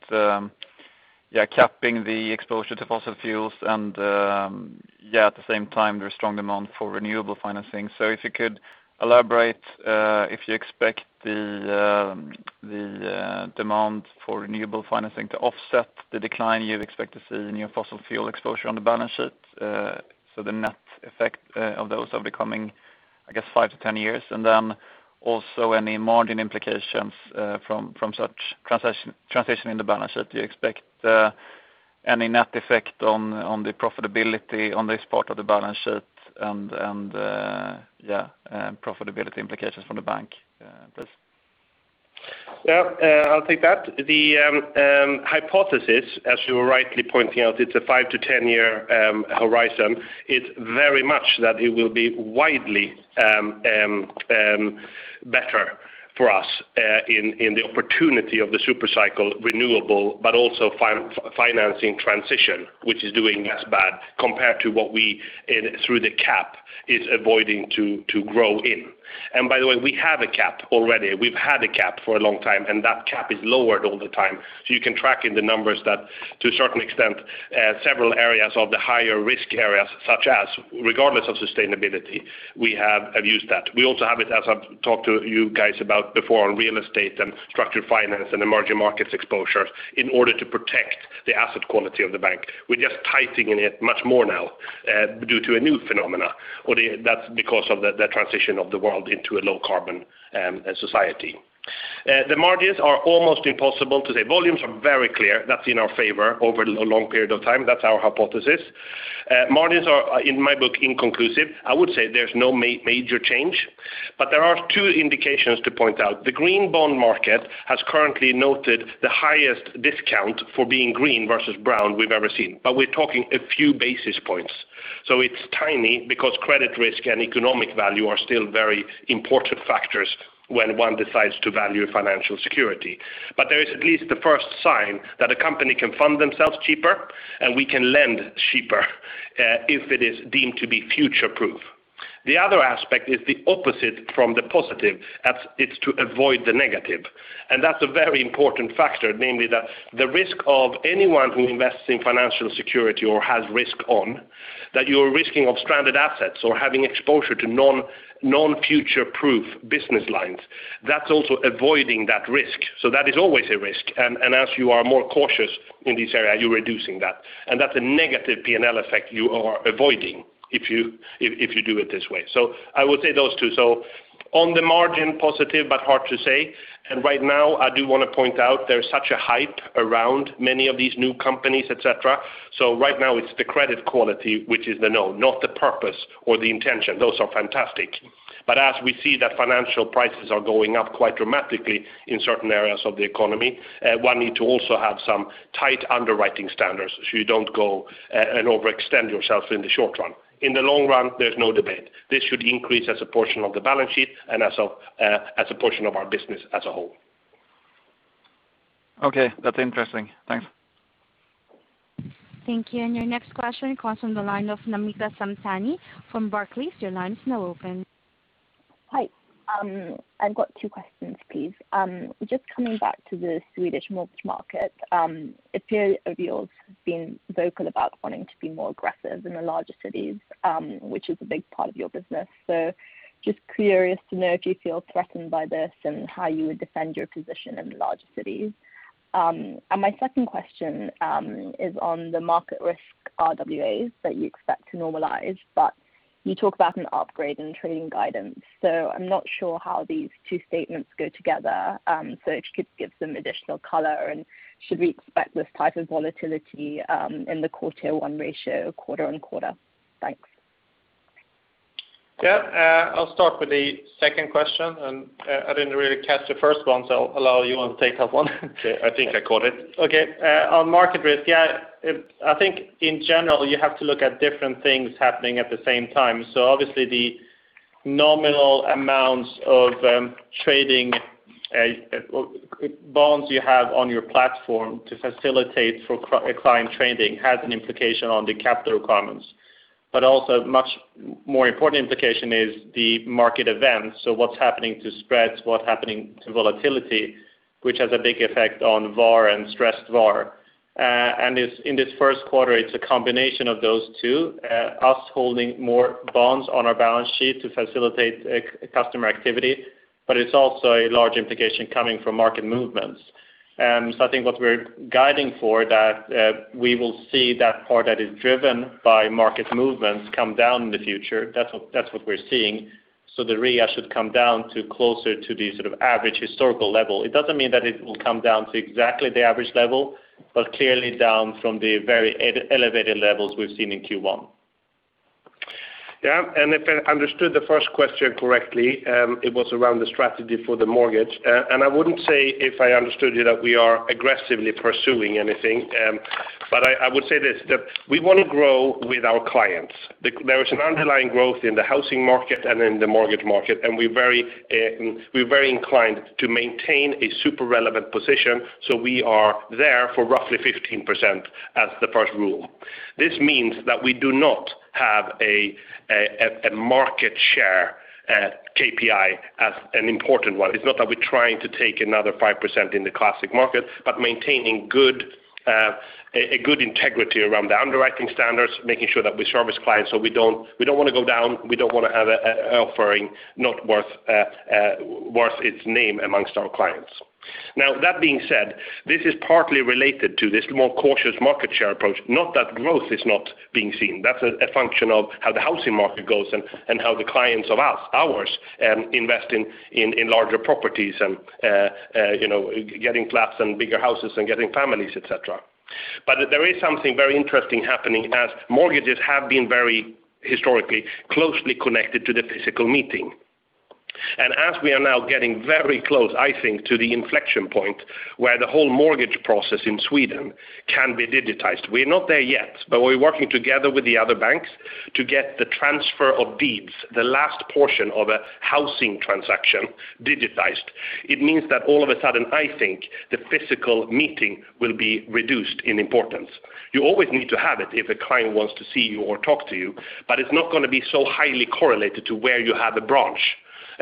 capping the exposure to fossil fuels and at the same time, there's strong demand for renewable financing. If you could elaborate if you expect the demand for renewable financing to offset the decline, you expect to see in your fossil fuel exposure on the balance sheet. The net effect of those over the coming, I guess 5-10 years, then also any margin implications from such transition in the balance sheet. Do you expect? Any net effect on the profitability on this part of the balance sheet and profitability implications from the bank, please? Yeah, I'll take that. The hypothesis, as you were rightly pointing out, it's a 5-10 year horizon. It's very much that it will be widely better for us in the opportunity of the super cycle renewable, but also financing transition, which is doing as bad compared to what we, through the cap, is avoiding to grow in. By the way, we have a cap already. We've had a cap for a long time, and that cap is lowered all the time. You can track in the numbers that to a certain extent, several areas of the higher risk areas, such as regardless of sustainability, we have used that. We also have it, as I've talked to you guys about before on real estate and structured finance and emerging markets exposure in order to protect the asset quality of the bank. We're just tightening it much more now due to a new phenomenon. That's because of the transition of the world into a low-carbon society. The margins are almost impossible to say. Volumes are very clear. That's in our favor over a long period of time. That's our hypothesis. Margins are, in my book, inconclusive. I would say there's no major change, but there are two indications to point out. The green bond market has currently noted the highest discount for being green versus brown we've ever seen, we're talking a few basis points. It's tiny because credit risk and economic value are still very important factors when one decides to value financial security. There is at least the first sign that a company can fund themselves cheaper, and we can lend cheaper if it is deemed to be future-proof. The other aspect is the opposite from the positive. It's to avoid the negative. That's a very important factor, namely that the risk of anyone who invests in financial security or has risk on, that you're risking of stranded assets or having exposure to non-future-proof business lines. That's also avoiding that risk. That is always a risk. As you are more cautious in this area, you're reducing that. That's a negative P&L effect you are avoiding if you do it this way. I would say those two. On the margin, positive, but hard to say. Right now, I do want to point out there's such a hype around many of these new companies, et cetera. Right now it's the credit quality, which is the no, not the purpose or the intention. Those are fantastic. As we see that financial prices are going up quite dramatically in certain areas of the economy, one need to also have some tight underwriting standards so you don't go and overextend yourself in the short run. In the long run, there's no debate. This should increase as a portion of the balance sheet and as a portion of our business as a whole. Okay. That's interesting. Thanks. Thank you. Your next question comes from the line of Namita Samtani from Barclays. Your line is now open. Hi. I've got two questions, please. Just coming back to the Swedish mortgage market. It appears Adeos has been vocal about wanting to be more aggressive in the larger cities, which is a big part of your business. Just curious to know if you feel threatened by this and how you would defend your position in the larger cities. My second question is on the market risk RWAs that you expect to normalize, but you talk about an upgrade in trading guidance. I'm not sure how these two statements go together. If you could give some additional color, and should we expect this type of volatility in the quarter-one ratio quarter-on-quarter? Thanks. Yeah. I'll start with the second question, and I didn't really catch the first one, so I'll allow you to take that one. Okay. I think I caught it. Okay. On market risk, yeah, I think in general, you have to look at different things happening at the same time. Obviously the nominal amounts of trading bonds you have on your platform to facilitate for client trading has an implication on the capital requirements. Also much more important implication is the market events. What's happening to spreads, what's happening to volatility, which has a big effect on VaR and stressed VaR. In this first quarter, it's a combination of those two, us holding more bonds on our balance sheet to facilitate customer activity, but it's also a large implication coming from market movements. I think what we're guiding for that we will see that part that is driven by market movements come down in the future. That's what we're seeing. The RWAs should come down to closer to the average historical level. It doesn't mean that it will come down to exactly the average level. Clearly down from the very elevated levels we've seen in Q1. Yeah. If I understood the first question correctly, it was around the strategy for the mortgage. I wouldn't say if I understood you that we are aggressively pursuing anything. I would say this, that we want to grow with our clients. There is an underlying growth in the housing market and in the mortgage market, and we're very inclined to maintain a super relevant position. We are there for roughly 15% as the first rule. This means that we do not have a market share KPI as an important one. It's not that we're trying to take another 5% in the classic market, but maintaining a good integrity around the underwriting standards, making sure that we service clients so we don't want to go down, we don't want to have an offering not worth its name amongst our clients. That being said, this is partly related to this more cautious market share approach, not that growth is not being seen. That's a function of how the housing market goes and how the clients of ours invest in larger properties and getting flats and bigger houses and getting families, et cetera. There is something very interesting happening as mortgages have been very historically closely connected to the physical meeting. As we are now getting very close, I think, to the inflection point where the whole mortgage process in Sweden can be digitized. We're not there yet, but we're working together with the other banks to get the transfer of deeds, the last portion of a housing transaction, digitized. It means that all of a sudden, I think, the physical meeting will be reduced in importance. You always need to have it if a client wants to see you or talk to you, but it's not going to be so highly correlated to where you have a branch.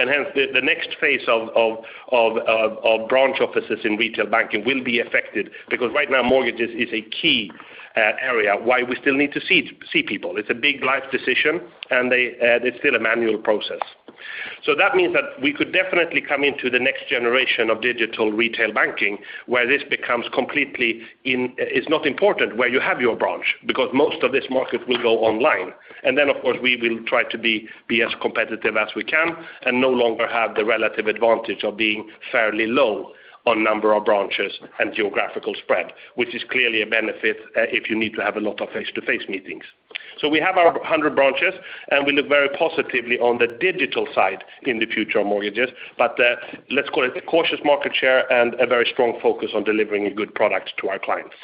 Hence, the next phase of branch offices in retail banking will be affected because right now mortgages is a key area why we still need to see people. It's a big life decision, and it's still a manual process. That means that we could definitely come into the next generation of digital retail banking, where this becomes completely, it's not important where you have your branch, because most of this market will go online. Of course, we will try to be as competitive as we can and no longer have the relative advantage of being fairly low on number of branches and geographical spread, which is clearly a benefit if you need to have a lot of face-to-face meetings. We have our 100 branches, and we look very positively on the digital side in the future mortgages. Let's call it a cautious market share and a very strong focus on delivering a good product to our clients.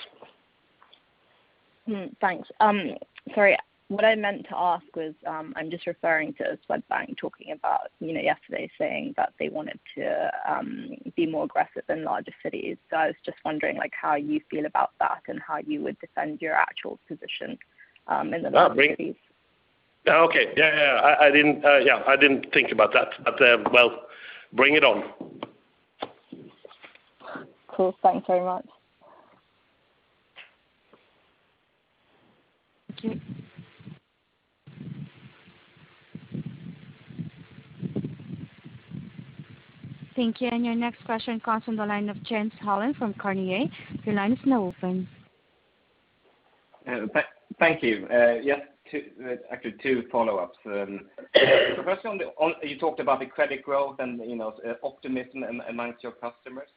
Thanks. Sorry, what I meant to ask was, I am just referring to Swedbank talking about yesterday saying that they wanted to be more aggressive in larger cities. I was just wondering how you feel about that and how you would defend your actual position in the larger cities. Okay. Yeah. I didn't think about that. Bring it on. Cool. Thanks very much. Thank you. Your next question comes from the line of Jens Hallén from Carnegie. Thank you. Actually two follow-ups. First one, you talked about the credit growth and optimism amongst your customers.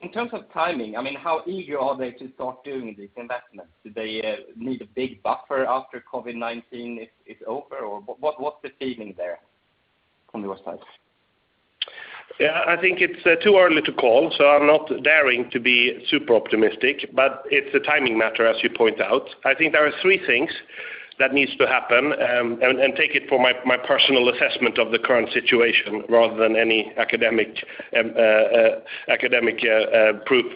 In terms of timing, how eager are they to start doing these investments? Do they need a big buffer after COVID-19 is over? What's the feeling there on your side? I think it's too early to call, so I'm not daring to be super optimistic. It's a timing matter, as you point out. I think there are three things that needs to happen, and take it for my personal assessment of the current situation rather than any academic proof.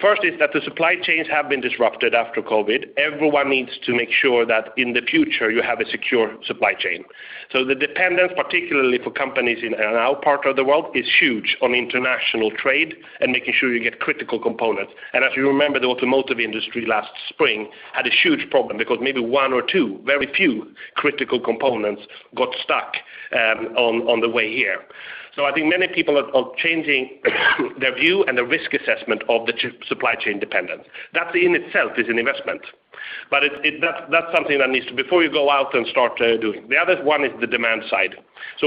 First is that the supply chains have been disrupted after COVID. Everyone needs to make sure that in the future you have a secure supply chain. The dependence, particularly for companies in our part of the world, is huge on international trade and making sure you get critical components. If you remember, the automotive industry last spring had a huge problem because maybe one or two, very few critical components got stuck on the way here. I think many people are changing their view and their risk assessment of the supply chain dependence. That in itself is an investment. That's something that needs before you go out and start doing. The other one is the demand side.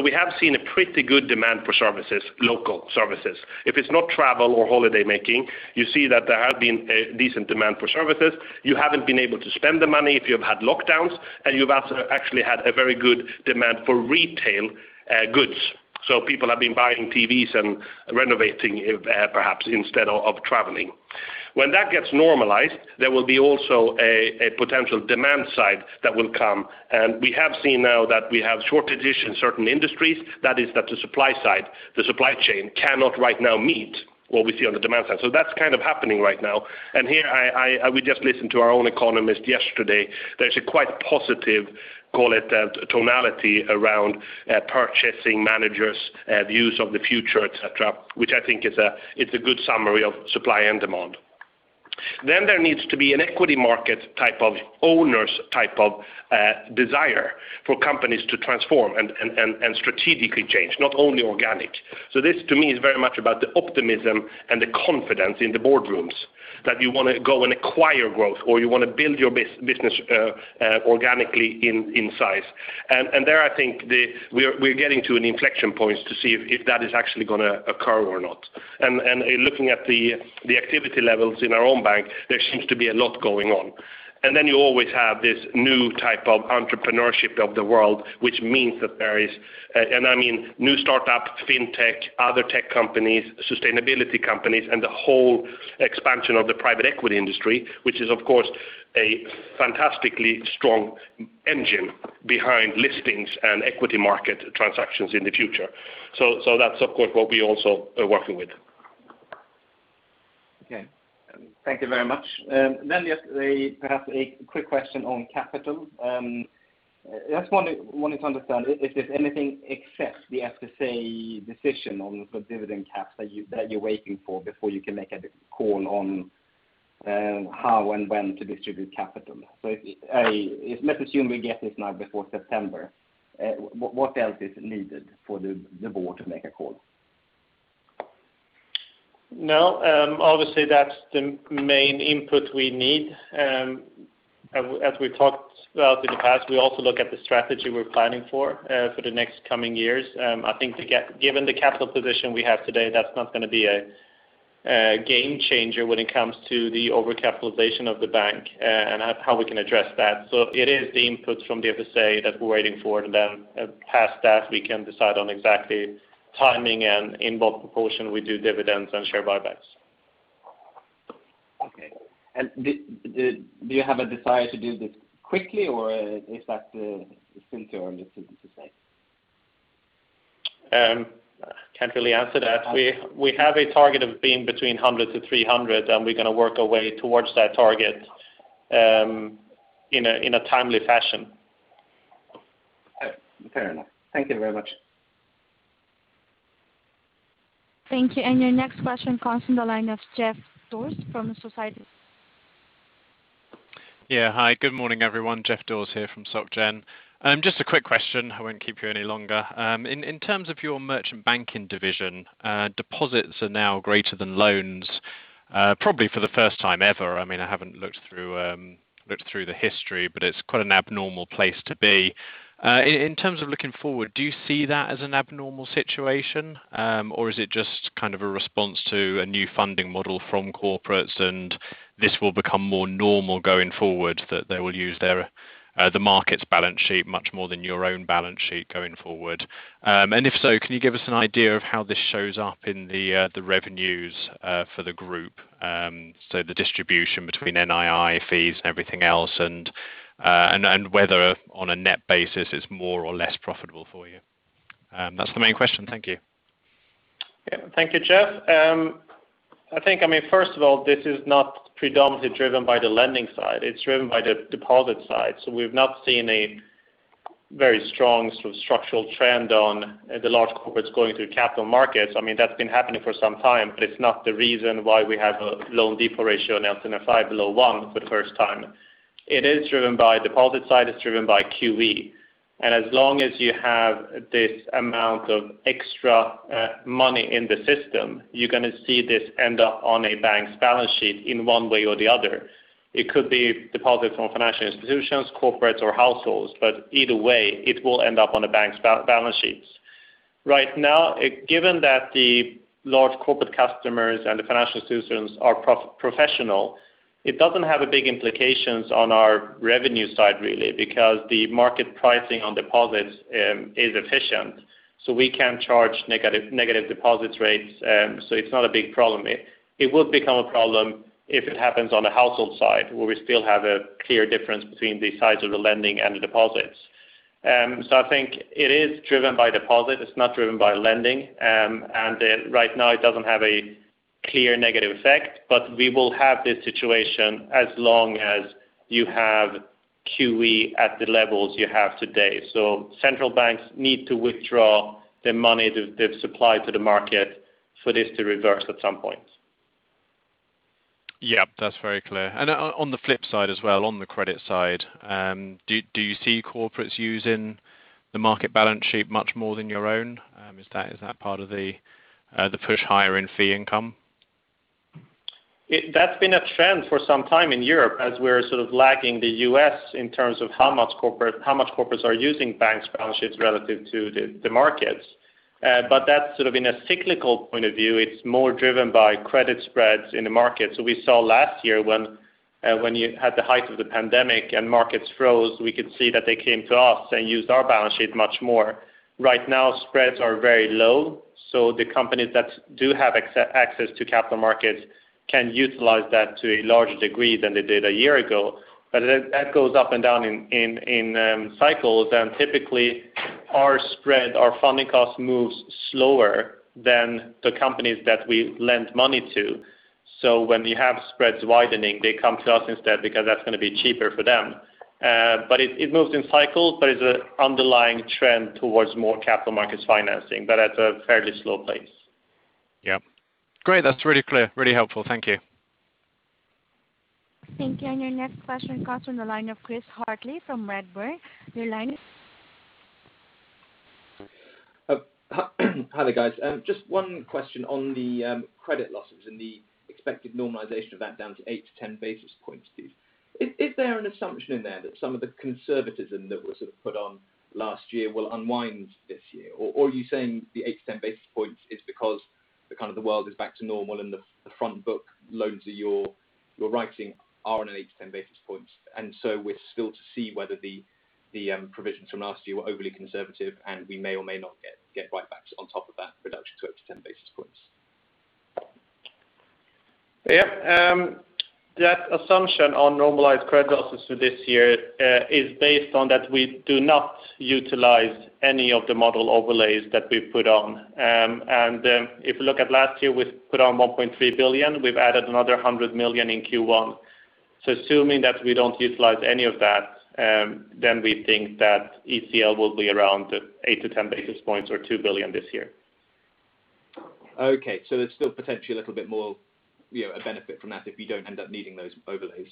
We have seen a pretty good demand for services, local services. If it's not travel or holiday making, you see that there have been a decent demand for services. You haven't been able to spend the money if you've had lockdowns, and you've actually had a very good demand for retail goods. People have been buying TVs and renovating perhaps instead of traveling. When that gets normalized, there will be also a potential demand side that will come, and we have seen now that we have shortages in certain industries. That is that the supply side, the supply chain cannot right now meet what we see on the demand side. That's happening right now. Here, we just listened to our own economist yesterday. There's a quite positive, call it tonality around purchasing managers, views of the future, et cetera, which I think it's a good summary of supply and demand. There needs to be an equity market type of owners type of desire for companies to transform and strategically change, not only organic. This to me is very much about the optimism and the confidence in the boardrooms that you want to go and acquire growth, or you want to build your business organically in size. There, I think we're getting to an inflection point to see if that is actually going to occur or not. Looking at the activity levels in our own bank, there seems to be a lot going on. You always have this new type of entrepreneurship of the world, which means that there is I mean new startup, fintech, other tech companies, sustainability companies, and the whole expansion of the private equity industry, which is, of course, a fantastically strong engine behind listings and equity market transactions in the future. That's of course, what we also are working with. Okay. Thank you very much. Just perhaps a quick question on capital. Just wanted to understand if there's anything except the FSA decision on the dividend caps that you're waiting for before you can make a call on how and when to distribute capital. Let's assume we get this now before September, what else is needed for the board to make a call? No. Obviously, that's the main input we need. As we've talked about in the past, we also look at the strategy we're planning for the next coming years. I think given the capital position we have today, that's not going to be a game changer when it comes to the over-capitalization of the bank and how we can address that. It is the inputs from the FSA that we're waiting for, and then past that, we can decide on exactly timing and in what proportion we do dividends and share buybacks. Okay. Do you have a desire to do this quickly, or is that too soon to say? Can't really answer that. We have a target of being between 100 to 300, and we're going to work our way towards that target in a timely fashion. Fair enough. Thank you very much. Thank you. Your next question comes from the line of Geoff Dawes from Société. Yeah. Hi, good morning, everyone. Geoff Dawes here from SocGen. Just a quick question. I won't keep you any longer. In terms of your merchant banking division, deposits are now greater than loans probably for the first time ever. I haven't looked through the history, but it's quite an abnormal place to be. In terms of looking forward, do you see that as an abnormal situation, or is it just a response to a new funding model from corporates, and this will become more normal going forward that they will use the market's balance sheet much more than your own balance sheet going forward? If so, can you give us an idea of how this shows up in the revenues for the group? The distribution between NII fees and everything else, and whether on a net basis it's more or less profitable for you. That's the main question. Thank you. Yeah. Thank you, Geoff. I think, first of all, this is not predominantly driven by the lending side. It's driven by the deposit side. We've not seen a very strong structural trend on the large corporates going to capital markets. That's been happening for some time, but it's not the reason why we have a loan depo ratio now it's in a five below one for the first time. It is driven by deposit side. It's driven by QE. As long as you have this amount of extra money in the system, you're going to see this end up on a bank's balance sheet in one way or the other. It could be deposits from financial institutions, corporates, or households, but either way, it will end up on a bank's balance sheets. Right now, given that the large corporate customers and the financial institutions are professional, it doesn't have a big implications on our revenue side really because the market pricing on deposits is efficient. We can charge negative deposit rates, so it's not a big problem. It will become a problem if it happens on the household side, where we still have a clear difference between the sides of the lending and the deposits. I think it is driven by deposit. It's not driven by lending. Right now it doesn't have a clear negative effect, but we will have this situation as long as you have QE at the levels you have today. Central banks need to withdraw the money they've supplied to the market for this to reverse at some point. Yeah. That is very clear. On the flip side as well, on the credit side do you see corporates using the market balance sheet much more than your own? Is that part of the push higher in fee income? That's been a trend for some time in Europe as we're lagging the U.S. in terms of how much corporates are using banks' balance sheets relative to the markets. That's in a cyclical point of view. It's more driven by credit spreads in the market. We saw last year when you had the height of the pandemic and markets froze, we could see that they came to us and used our balance sheet much more. Right now, spreads are very low, the companies that do have access to capital markets can utilize that to a larger degree than they did a year ago. That goes up and down in cycles, and typically our spread, our funding cost moves slower than the companies that we lend money to. When you have spreads widening, they come to us instead because that's going to be cheaper for them. It moves in cycles, but it's an underlying trend towards more capital markets financing, but at a fairly slow pace. Great. That's really clear. Really helpful. Thank you. Thank you. Your next question comes from the line of Chris Hartley from Redburn. Hi there, guys. Just one question on the credit losses and the expected normalization of that down to 8-10 basis points, please. Is there an assumption in there that some of the conservatism that was put on last year will unwind this year? Or are you saying the 8-10 basis points is because the world is back to normal and the front book loans that you're writing are on an 8-10 basis points, and so we're still to see whether the provisions from last year were overly conservative, and we may or may not get right back on top of that reduction to 8-10 basis points? Yeah. That assumption on normalized credit losses for this year is based on that we do not utilize any of the model overlays that we've put on. If you look at last year, we put on 1.3 billion. We've added another 100 million in Q1. Assuming that we don't utilize any of that, then we think that ECL will be around 8-10 basis points or 2 billion this year. Okay. There's still potentially a little bit more, a benefit from that if you don't end up needing those overlays.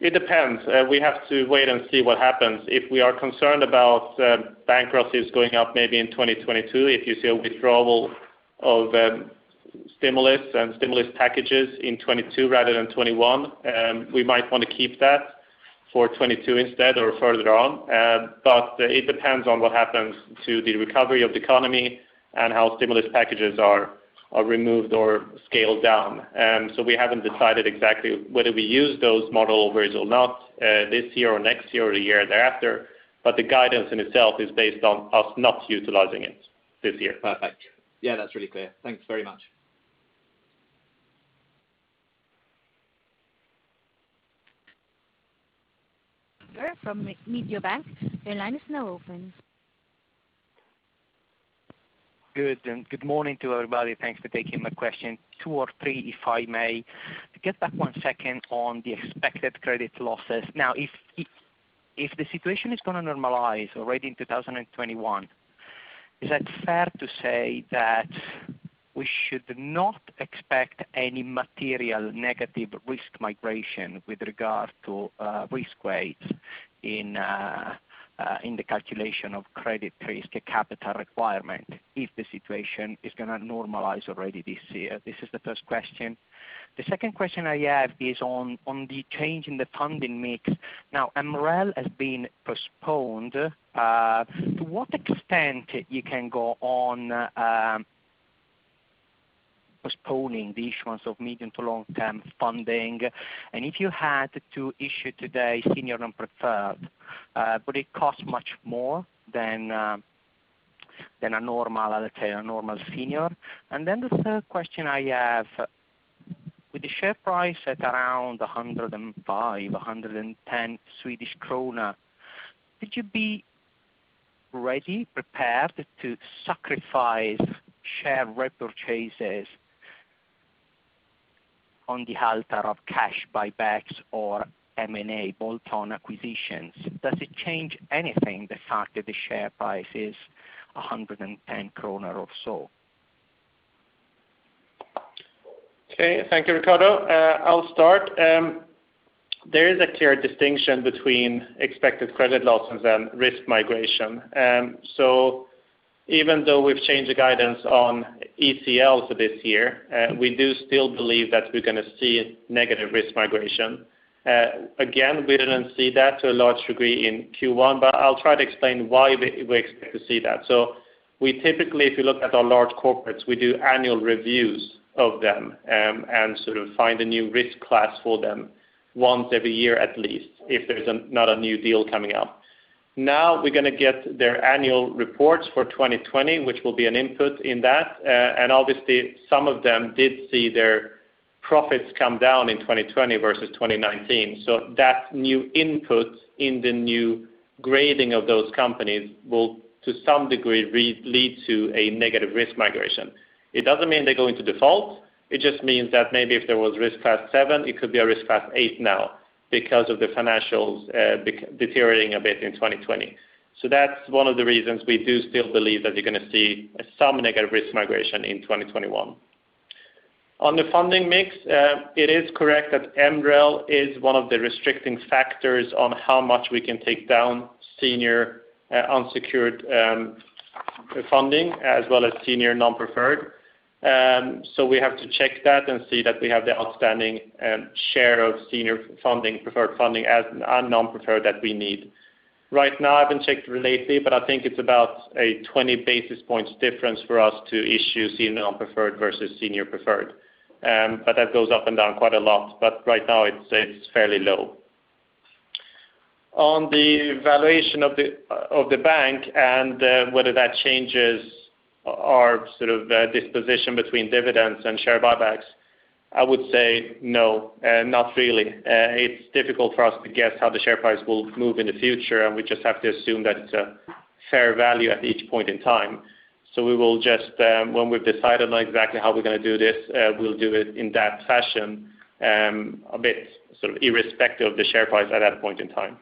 It depends. We have to wait and see what happens. If we are concerned about bankruptcies going up maybe in 2022, if you see a withdrawal of stimulus and stimulus packages in 2022 rather than 2021. We might want to keep that for 2022 instead or further on. It depends on what happens to the recovery of the economy and how stimulus packages are removed or scaled down. We haven't decided exactly whether we use those model overlays or not this year or next year or the year thereafter. The guidance in itself is based on us not utilizing it this year. Perfect. Yeah, that's really clear. Thanks very much. from Mediobanca. Good, good morning to everybody. Thanks for taking my question. Two or three, if I may. To get back one second on the expected credit losses. Now, if the situation is going to normalize already in 2021, is that fair to say that we should not expect any material negative risk migration with regard to risk weights in the calculation of credit risk capital requirement if the situation is going to normalize already this year? This is the first question. The second question I have is on the change in the funding mix. Now MREL has been postponed. To what extent you can go on postponing the issuance of medium to long-term funding? If you had to issue today senior non-preferred would it cost much more than a normal senior? The third question I have, with the share price at around 105, 110 Swedish krona, would you be ready, prepared to sacrifice share repurchases on the altar of cash buybacks or M&A bolt-on acquisitions? Does it change anything, the fact that the share price is 110 kronor or so? Okay. Thank you, Riccardo. I'll start. There is a clear distinction between expected credit losses and risk migration. Even though we've changed the guidance on ECL for this year, we do still believe that we're going to see negative risk migration. Again, we didn't see that to a large degree in Q1, but I'll try to explain why we expect to see that. We typically, if you look at our large corporates, we do annual reviews of them, and sort of find a new risk class for them once every year at least, if there's not a new deal coming up. Now we're going to get their annual reports for 2020, which will be an input in that. Obviously some of them did see their profits come down in 2020 versus 2019. That new input in the new grading of those companies will to some degree lead to a negative risk migration. It doesn't mean they go into default. It just means that maybe if there was risk class seven, it could be a risk class eight now because of the financials deteriorating a bit in 2020. That's one of the reasons we do still believe that you're going to see some negative risk migration in 2021. On the funding mix, it is correct that MREL is one of the restricting factors on how much we can take down senior unsecured funding as well as senior non-preferred. We have to check that and see that we have the outstanding share of senior preferred funding and non-preferred that we need. Right now, I haven't checked lately, I think it's about a 20 basis points difference for us to issue senior non-preferred versus senior preferred. That goes up and down quite a lot. Right now it's fairly low. On the valuation of the bank and whether that changes our disposition between dividends and share buybacks, I would say no, not really. It's difficult for us to guess how the share price will move in the future, and we just have to assume that it's a fair value at each point in time. We will just, when we've decided on exactly how we're going to do this we'll do it in that fashion, a bit sort of irrespective of the share price at that point in time.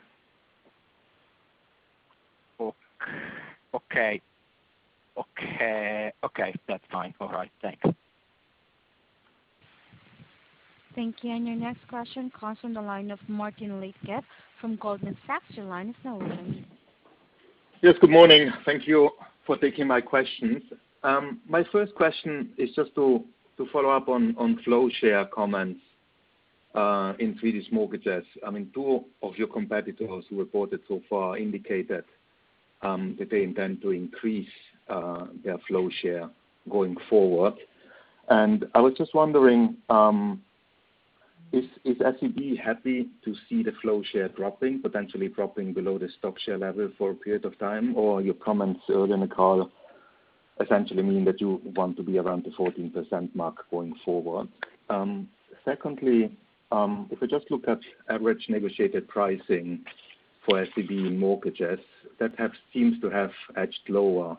Okay. That's fine. All right. Thanks. Thank you. Your next question comes from the line of Martin Leitgeb from Goldman Sachs. Your line is now open. Yes. Good morning. Thank you for taking my questions. My first question is just to follow up on flow share comments in Swedish mortgages. Two of your competitors who reported so far indicate that they intend to increase their flow share going forward. I was just wondering, is SEB happy to see the flow share dropping, potentially dropping below the stock share level for a period of time? Your comments earlier in the call essentially mean that you want to be around the 14% mark going forward. Secondly, if we just look at average negotiated pricing for SEB mortgages, that seems to have edged lower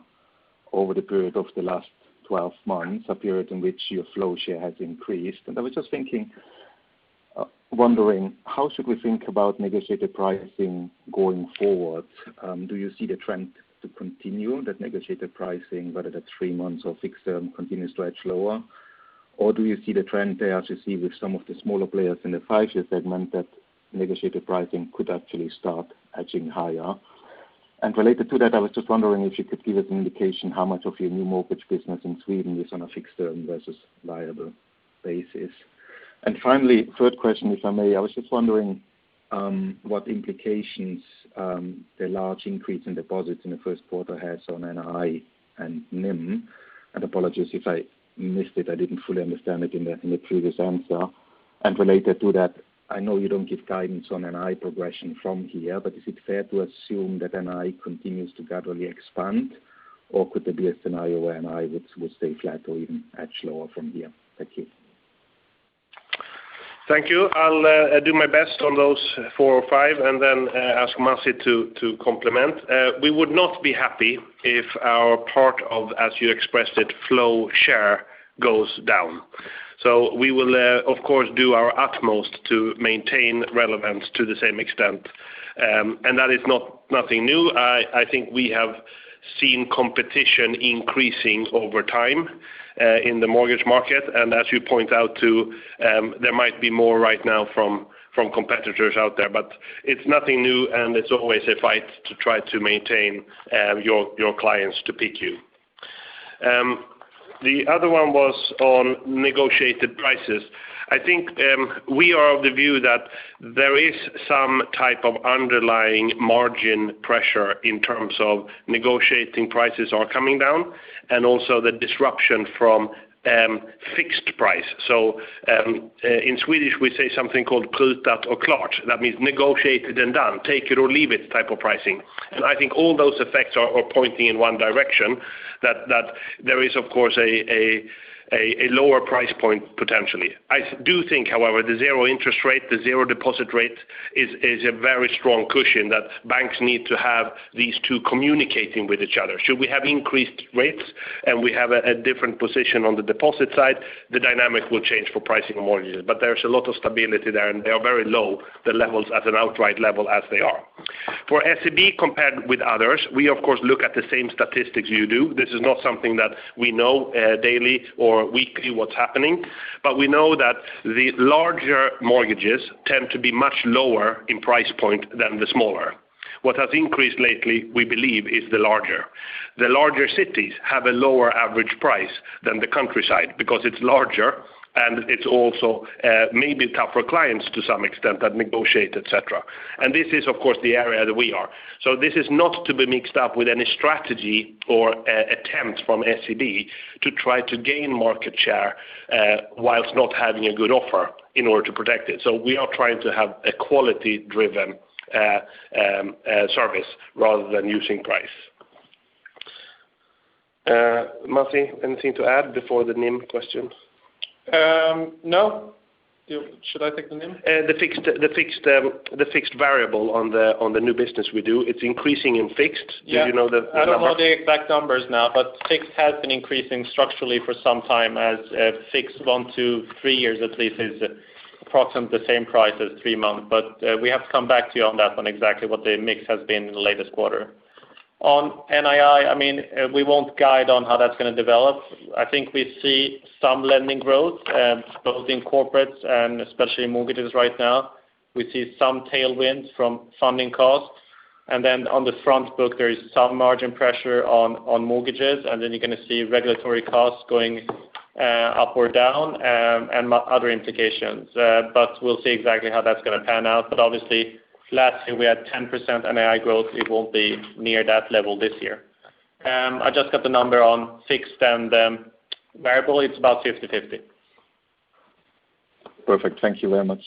over the period of the last 12 months, a period in which your flow share has increased. I was just wondering, how should we think about negotiated pricing going forward? Do you see the trend to continue, that negotiated pricing, whether that's three months or fixed term, continues to edge lower? Do you see the trend there to see with some of the smaller players in the five-year segment that negotiated pricing could actually start edging higher? Related to that, I was just wondering if you could give us an indication how much of your new mortgage business in Sweden is on a fixed-term versus variable basis. Finally, third question, if I may. I was just wondering what implications the large increase in deposits in the first quarter has on NII and NIM. Apologies if I missed it, I didn't fully understand it in the previous answer. Related to that, I know you don't give guidance on NII progression from here, but is it fair to assume that NII continues to gradually expand? Could there be a scenario where NII would stay flat or even edge lower from here? Thank you. Thank you. I'll do my best on those four or five and then ask Masih to complement. We would not be happy if our part of, as you expressed it, flow share goes down. We will, of course, do our utmost to maintain relevance to the same extent. That is nothing new. I think we have seen competition increasing over time, in the mortgage market. As you point out too, there might be more right now from competitors out there. It's nothing new, and it's always a fight to try to maintain your clients to pick you. The other one was on negotiated prices. I think we are of the view that there is some type of underlying margin pressure in terms of negotiating prices are coming down, and also the disruption from fixed price. In Swedish we say something called "Prutat och klart." That means negotiated and done, take it or leave it type of pricing. I think all those effects are pointing in one direction, that there is, of course, a lower price point potentially. I do think, however, the zero interest rate, the zero deposit rate is a very strong cushion that banks need to have these two communicating with each other. Should we have increased rates and we have a different position on the deposit side, the dynamic will change for pricing mortgages. There's a lot of stability there and they are very low, the levels at an outright level as they are. For SEB compared with others, we of course look at the same statistics you do. This is not something that we know daily or weekly what's happening. We know that the larger mortgages tend to be much lower in price point than the smaller. What has increased lately, we believe, is the larger. The larger cities have a lower average price than the countryside because it's larger and it's also maybe tougher clients to some extent that negotiate, et cetera. This is, of course, the area that we are. This is not to be mixed up with any strategy or attempt from SEB to try to gain market share whilst not having a good offer in order to protect it. We are trying to have a quality-driven service rather than using price. Masih, anything to add before the NIM question? No. Should I take the NIM? The fixed variable on the new business we do, it's increasing in fixed. Do you know the number? I don't know the exact numbers now, but fixed has been increasing structurally for some time as fixed one to three years at least is approximately the same price as three months. We have to come back to you on that on exactly what the mix has been in the latest quarter. On NII, we won't guide on how that's going to develop. I think we see some lending growth, both in corporates and especially in mortgages right now. We see some tailwinds from funding costs. On the front book, there is some margin pressure on mortgages, and then you're going to see regulatory costs going up or down and other implications. We'll see exactly how that's going to pan out. Obviously last year we had 10% NII growth. It won't be near that level this year. I just got the number on fixed and variable. It's about 50/50. Perfect. Thank you very much.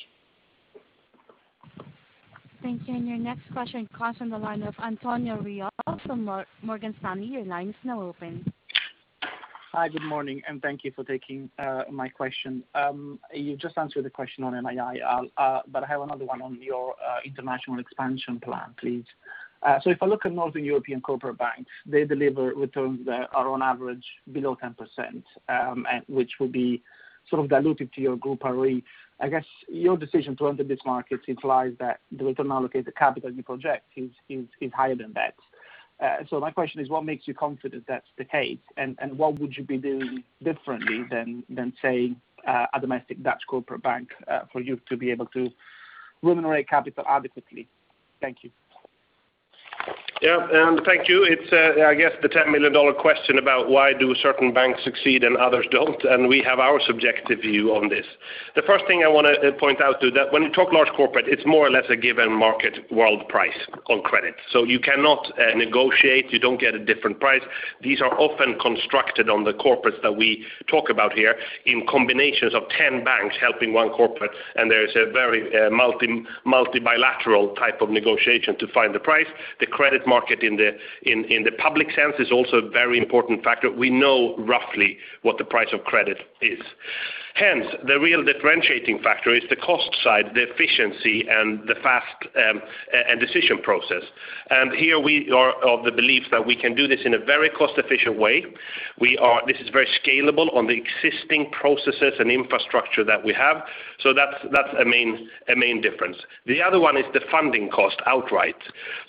Thank you. Your next question comes from the line of Antonio Reale from Morgan Stanley. Your line is now open. Hi, good morning, thank you for taking my question. You just answered the question on NII, I have another one on your international expansion plan, please. If I look at northern European corporate banks, they deliver returns that are on average below 10%, which will be sort of diluted to your group ROE. I guess your decision to enter this market implies that the return allocated capital in the project is higher than that. My question is, what makes you confident that's the case, and what would you be doing differently than, say, a domestic Dutch corporate bank for you to be able to remunerate capital adequately? Thank you. Thank you. It's, I guess the SEK 10 million question about why do certain banks succeed and others don't, and we have our subjective view on this. The first thing I want to point out too that when you talk large corporate, it's more or less a given market world price on credit. You cannot negotiate. You don't get a different price. These are often constructed on the corporates that we talk about here in combinations of 10 banks helping one corporate, and there is a very multi-bilateral type of negotiation to find the price. The credit market in the public sense is also a very important factor. We know roughly what the price of credit is. Hence, the real differentiating factor is the cost side, the efficiency, and the fast decision process. Here we are of the belief that we can do this in a very cost-efficient way. This is very scalable on the existing processes and infrastructure that we have. That's a main difference. The other one is the funding cost outright.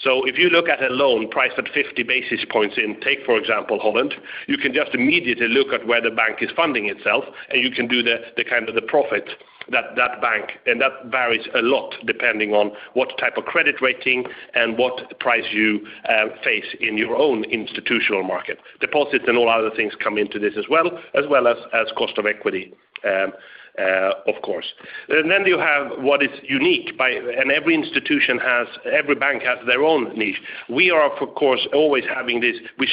If you look at a loan priced at 50 basis points in, take, for example, Holland, you can just immediately look at where the bank is funding itself, and you can do the profit. That varies a lot depending on what type of credit rating and what price you face in your own institutional market. Deposits and all other things come into this as well, as well as cost of equity, of course. Then you have what is unique. Every bank has their own niche. We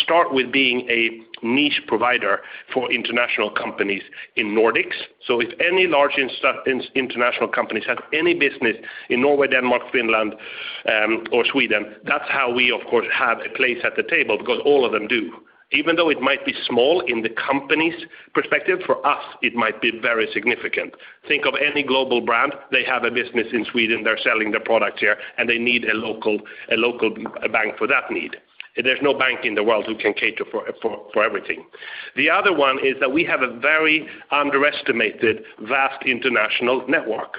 start with being a niche provider for international companies in Nordics. If any large international companies have any business in Norway, Denmark, Finland, or Sweden, that's how we have a place at the table, because all of them do. Even though it might be small in the company's perspective, for us, it might be very significant. Think of any global brand. They have a business in Sweden. They're selling their product here, and they need a local bank for that need. There's no bank in the world who can cater for everything. The other one is that we have a very underestimated vast international network.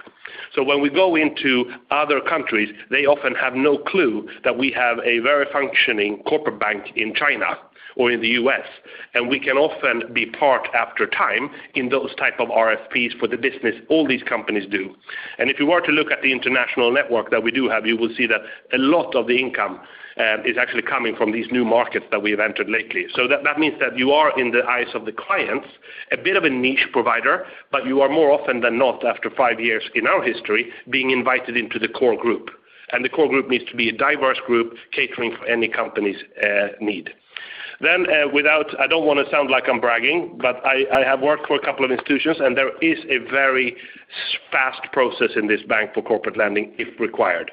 When we go into other countries, they often have no clue that we have a very functioning corporate bank in China or in the U.S., and we can often be part, after time, in those type of RFPs for the business. All these companies do. If you were to look at the international network that we do have, you will see that a lot of the income is actually coming from these new markets that we've entered lately. That means that you are, in the eyes of the clients, a bit of a niche provider, but you are more often than not, after five years in our history, being invited into the core group. The core group needs to be a diverse group catering for any company's need. I don't want to sound like I'm bragging, but I have worked for a couple of institutions, and there is a very fast process in this bank for corporate lending if required.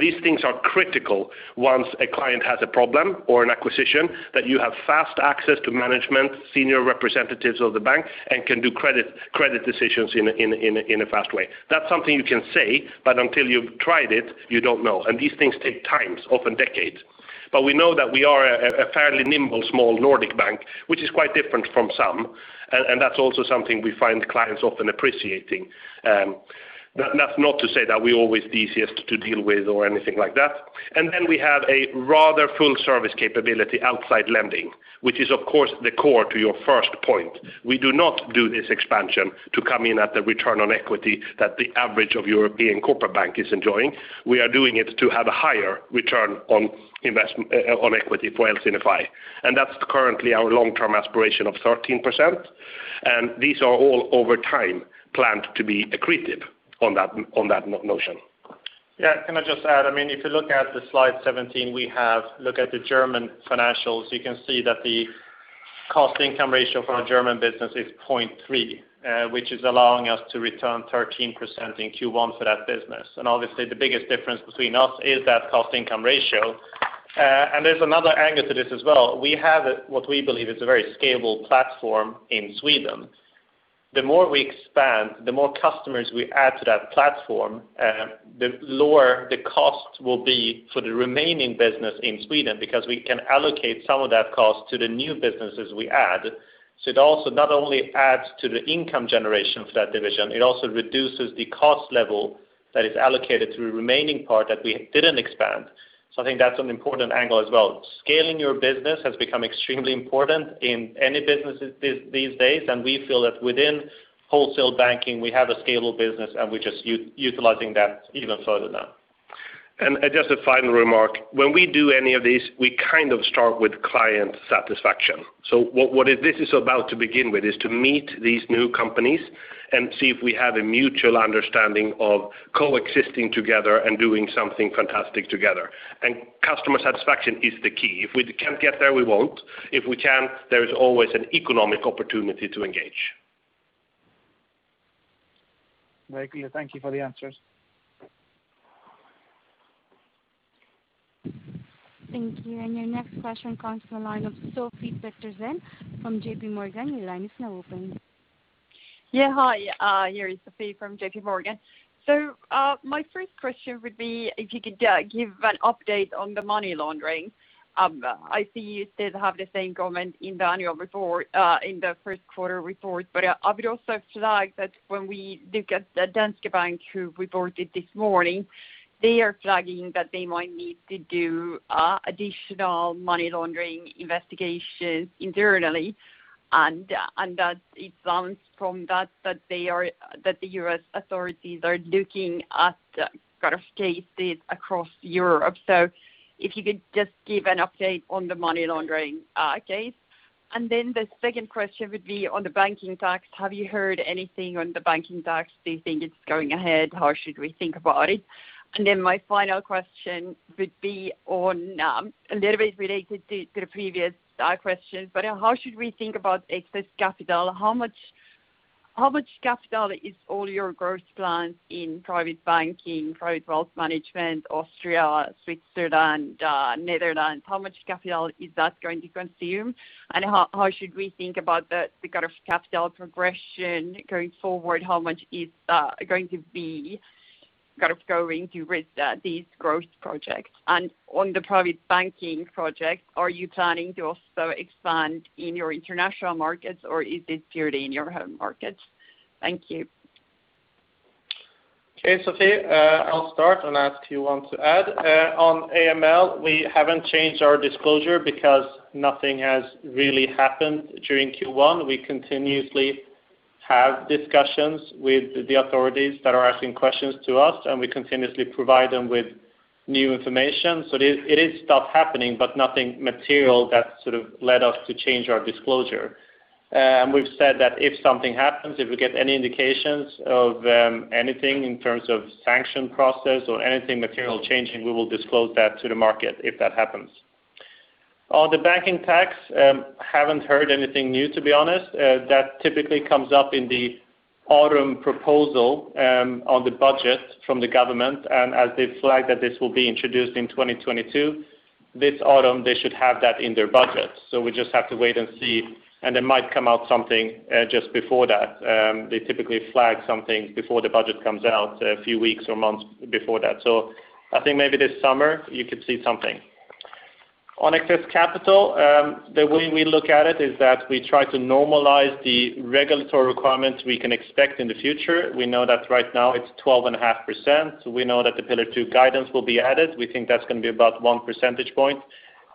These things are critical once a client has a problem or an acquisition, that you have fast access to management, senior representatives of the bank, and can do credit decisions in a fast way. That's something you can say, but until you've tried it, you don't know. These things take time, often decades. We know that we are a fairly nimble, small Nordic bank, which is quite different from some, and that's also something we find clients often appreciating. That's not to say that we're always the easiest to deal with or anything like that. We have a rather full service capability outside lending, which is, of course, the core to your first point. We do not do this expansion to come in at the return on equity that the average of European corporate bank is enjoying. We are doing it to have a higher return on equity for LCFI. That's currently our long-term aspiration of 13%. These are all over time planned to be accretive on that notion. Yeah. Can I just add? If you look at slide 17 we have, look at the German financials, you can see that the cost-income ratio for our German business is 0.3, which is allowing us to return 13% in Q1 for that business. Obviously, the biggest difference between us is that cost-income ratio. There's another angle to this as well. We have what we believe is a very scalable platform in Sweden. The more we expand, the more customers we add to that platform, the lower the cost will be for the remaining business in Sweden, because we can allocate some of that cost to the new businesses we add. It also not only adds to the income generation for that division, it also reduces the cost level that is allocated to the remaining part that we didn't expand. I think that's an important angle as well. Scaling your business has become extremely important in any businesses these days, and we feel that within wholesale banking, we have a scalable business, and we're just utilizing that even further now. Just a final remark. When we do any of these, we start with client satisfaction. What this is about to begin with is to meet these new companies and see if we have a mutual understanding of coexisting together and doing something fantastic together. Customer satisfaction is the key. If we can't get there, we won't. If we can, there is always an economic opportunity to engage. Very clear. Thank you for the answers. Thank you. Your next question comes from the line of Sofie Peterzens from JPMorgan. Your line is now open. Hi, here is Sofie from JPMorgan. My first question would be if you could give an update on the money laundering. I see you still have the same comment in the first quarter report. I would also flag that when we look at Danske Bank, who reported this morning, they are flagging that they might need to do additional money laundering investigation internally, and that it sounds from that the U.S. authorities are looking at cases across Europe. If you could just give an update on the money laundering case. The second question would be on the banking tax. Have you heard anything on the banking tax? Do you think it's going ahead? How should we think about it? My final question would be a little bit related to the previous question, how should we think about excess capital? How much capital is all your growth plans in private banking, Private Wealth Management, Austria, Switzerland, Netherlands? How much capital is that going to consume? How should we think about the capital progression going forward? How much is that going to be going to these growth projects? On the private banking project, are you planning to also expand in your international markets, or is it purely in your home markets? Thank you. Okay, Sofie, I'll start and ask Johan to add. On AML, we haven't changed our disclosure because nothing has really happened during Q1. We continuously have discussions with the authorities that are asking questions to us, and we continuously provide them with new information. It is stuff happening, but nothing material that led us to change our disclosure. We've said that if something happens, if we get any indications of anything in terms of sanction process or anything material changing, we will disclose that to the market if that happens. On the banking tax, haven't heard anything new, to be honest. That typically comes up in the autumn proposal on the budget from the government. As they flag that this will be introduced in 2022, this autumn, they should have that in their budget. We just have to wait and see, and it might come out something just before that. They typically flag something before the budget comes out a few weeks or months before that. I think maybe this summer you could see something. On excess capital, the way we look at it is that we try to normalize the regulatory requirements we can expect in the future. We know that right now it's 12.5%. We know that the Pillar 2 guidance will be added. We think that's going to be about one percentage point.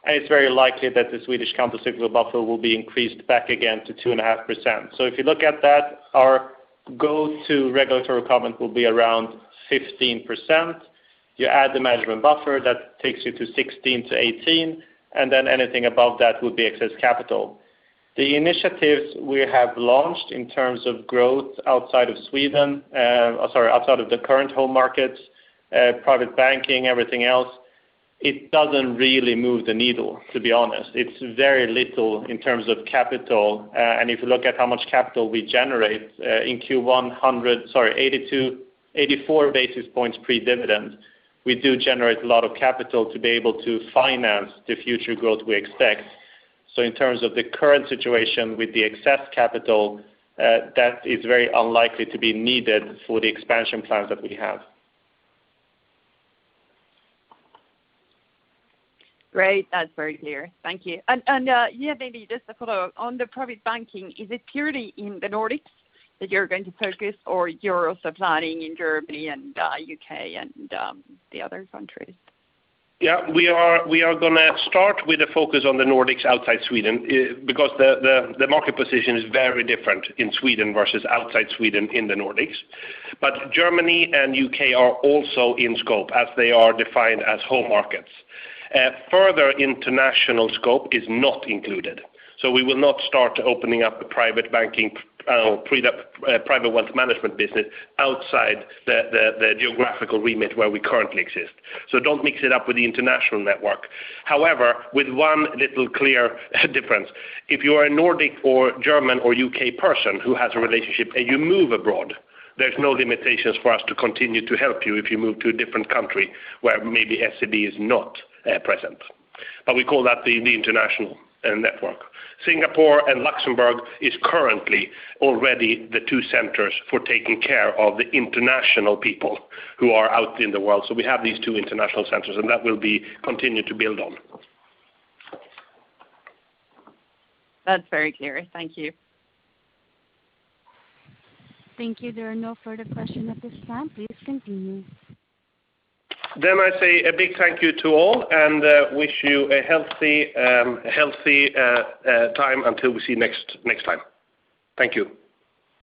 It's very likely that the Swedish countercyclical buffer will be increased back again to 2.5%. If you look at that, our go-to regulatory requirement will be around 15%. You add the management buffer, that takes you to 16%-18%, and then anything above that would be excess capital. The initiatives we have launched in terms of growth outside of the current home markets, private banking, everything else, it doesn't really move the needle, to be honest. It's very little in terms of capital. If you look at how much capital we generate in Q1, 84 basis points pre-dividend, we do generate a lot of capital to be able to finance the future growth we expect. In terms of the current situation with the excess capital, that is very unlikely to be needed for the expansion plans that we have. Great. That's very clear. Thank you. Yeah, maybe just a follow-up. On the private banking, is it purely in the Nordics that you're going to focus or you're also planning in Germany and U.K. and the other countries? We are going to start with a focus on the Nordics outside Sweden because the market position is very different in Sweden versus outside Sweden in the Nordics. Germany and U.K. are also in scope as they are defined as home markets. Further international scope is not included. We will not start opening up a Private Wealth Management business outside the geographical remit where we currently exist. Don't mix it up with the international network. However, with one little clear difference. If you are a Nordic or German or U.K. person who has a relationship and you move abroad, there's no limitations for us to continue to help you if you move to a different country where maybe SEB is not present. We call that the international network. Singapore and Luxembourg is currently already the two centers for taking care of the international people who are out in the world. We have these two international centers, and that will be continued to build on. That's very clear. Thank you. Thank you. There are no further questions at this time. Please continue. I say a big thank you to all and wish you a healthy time until we see next time. Thank you.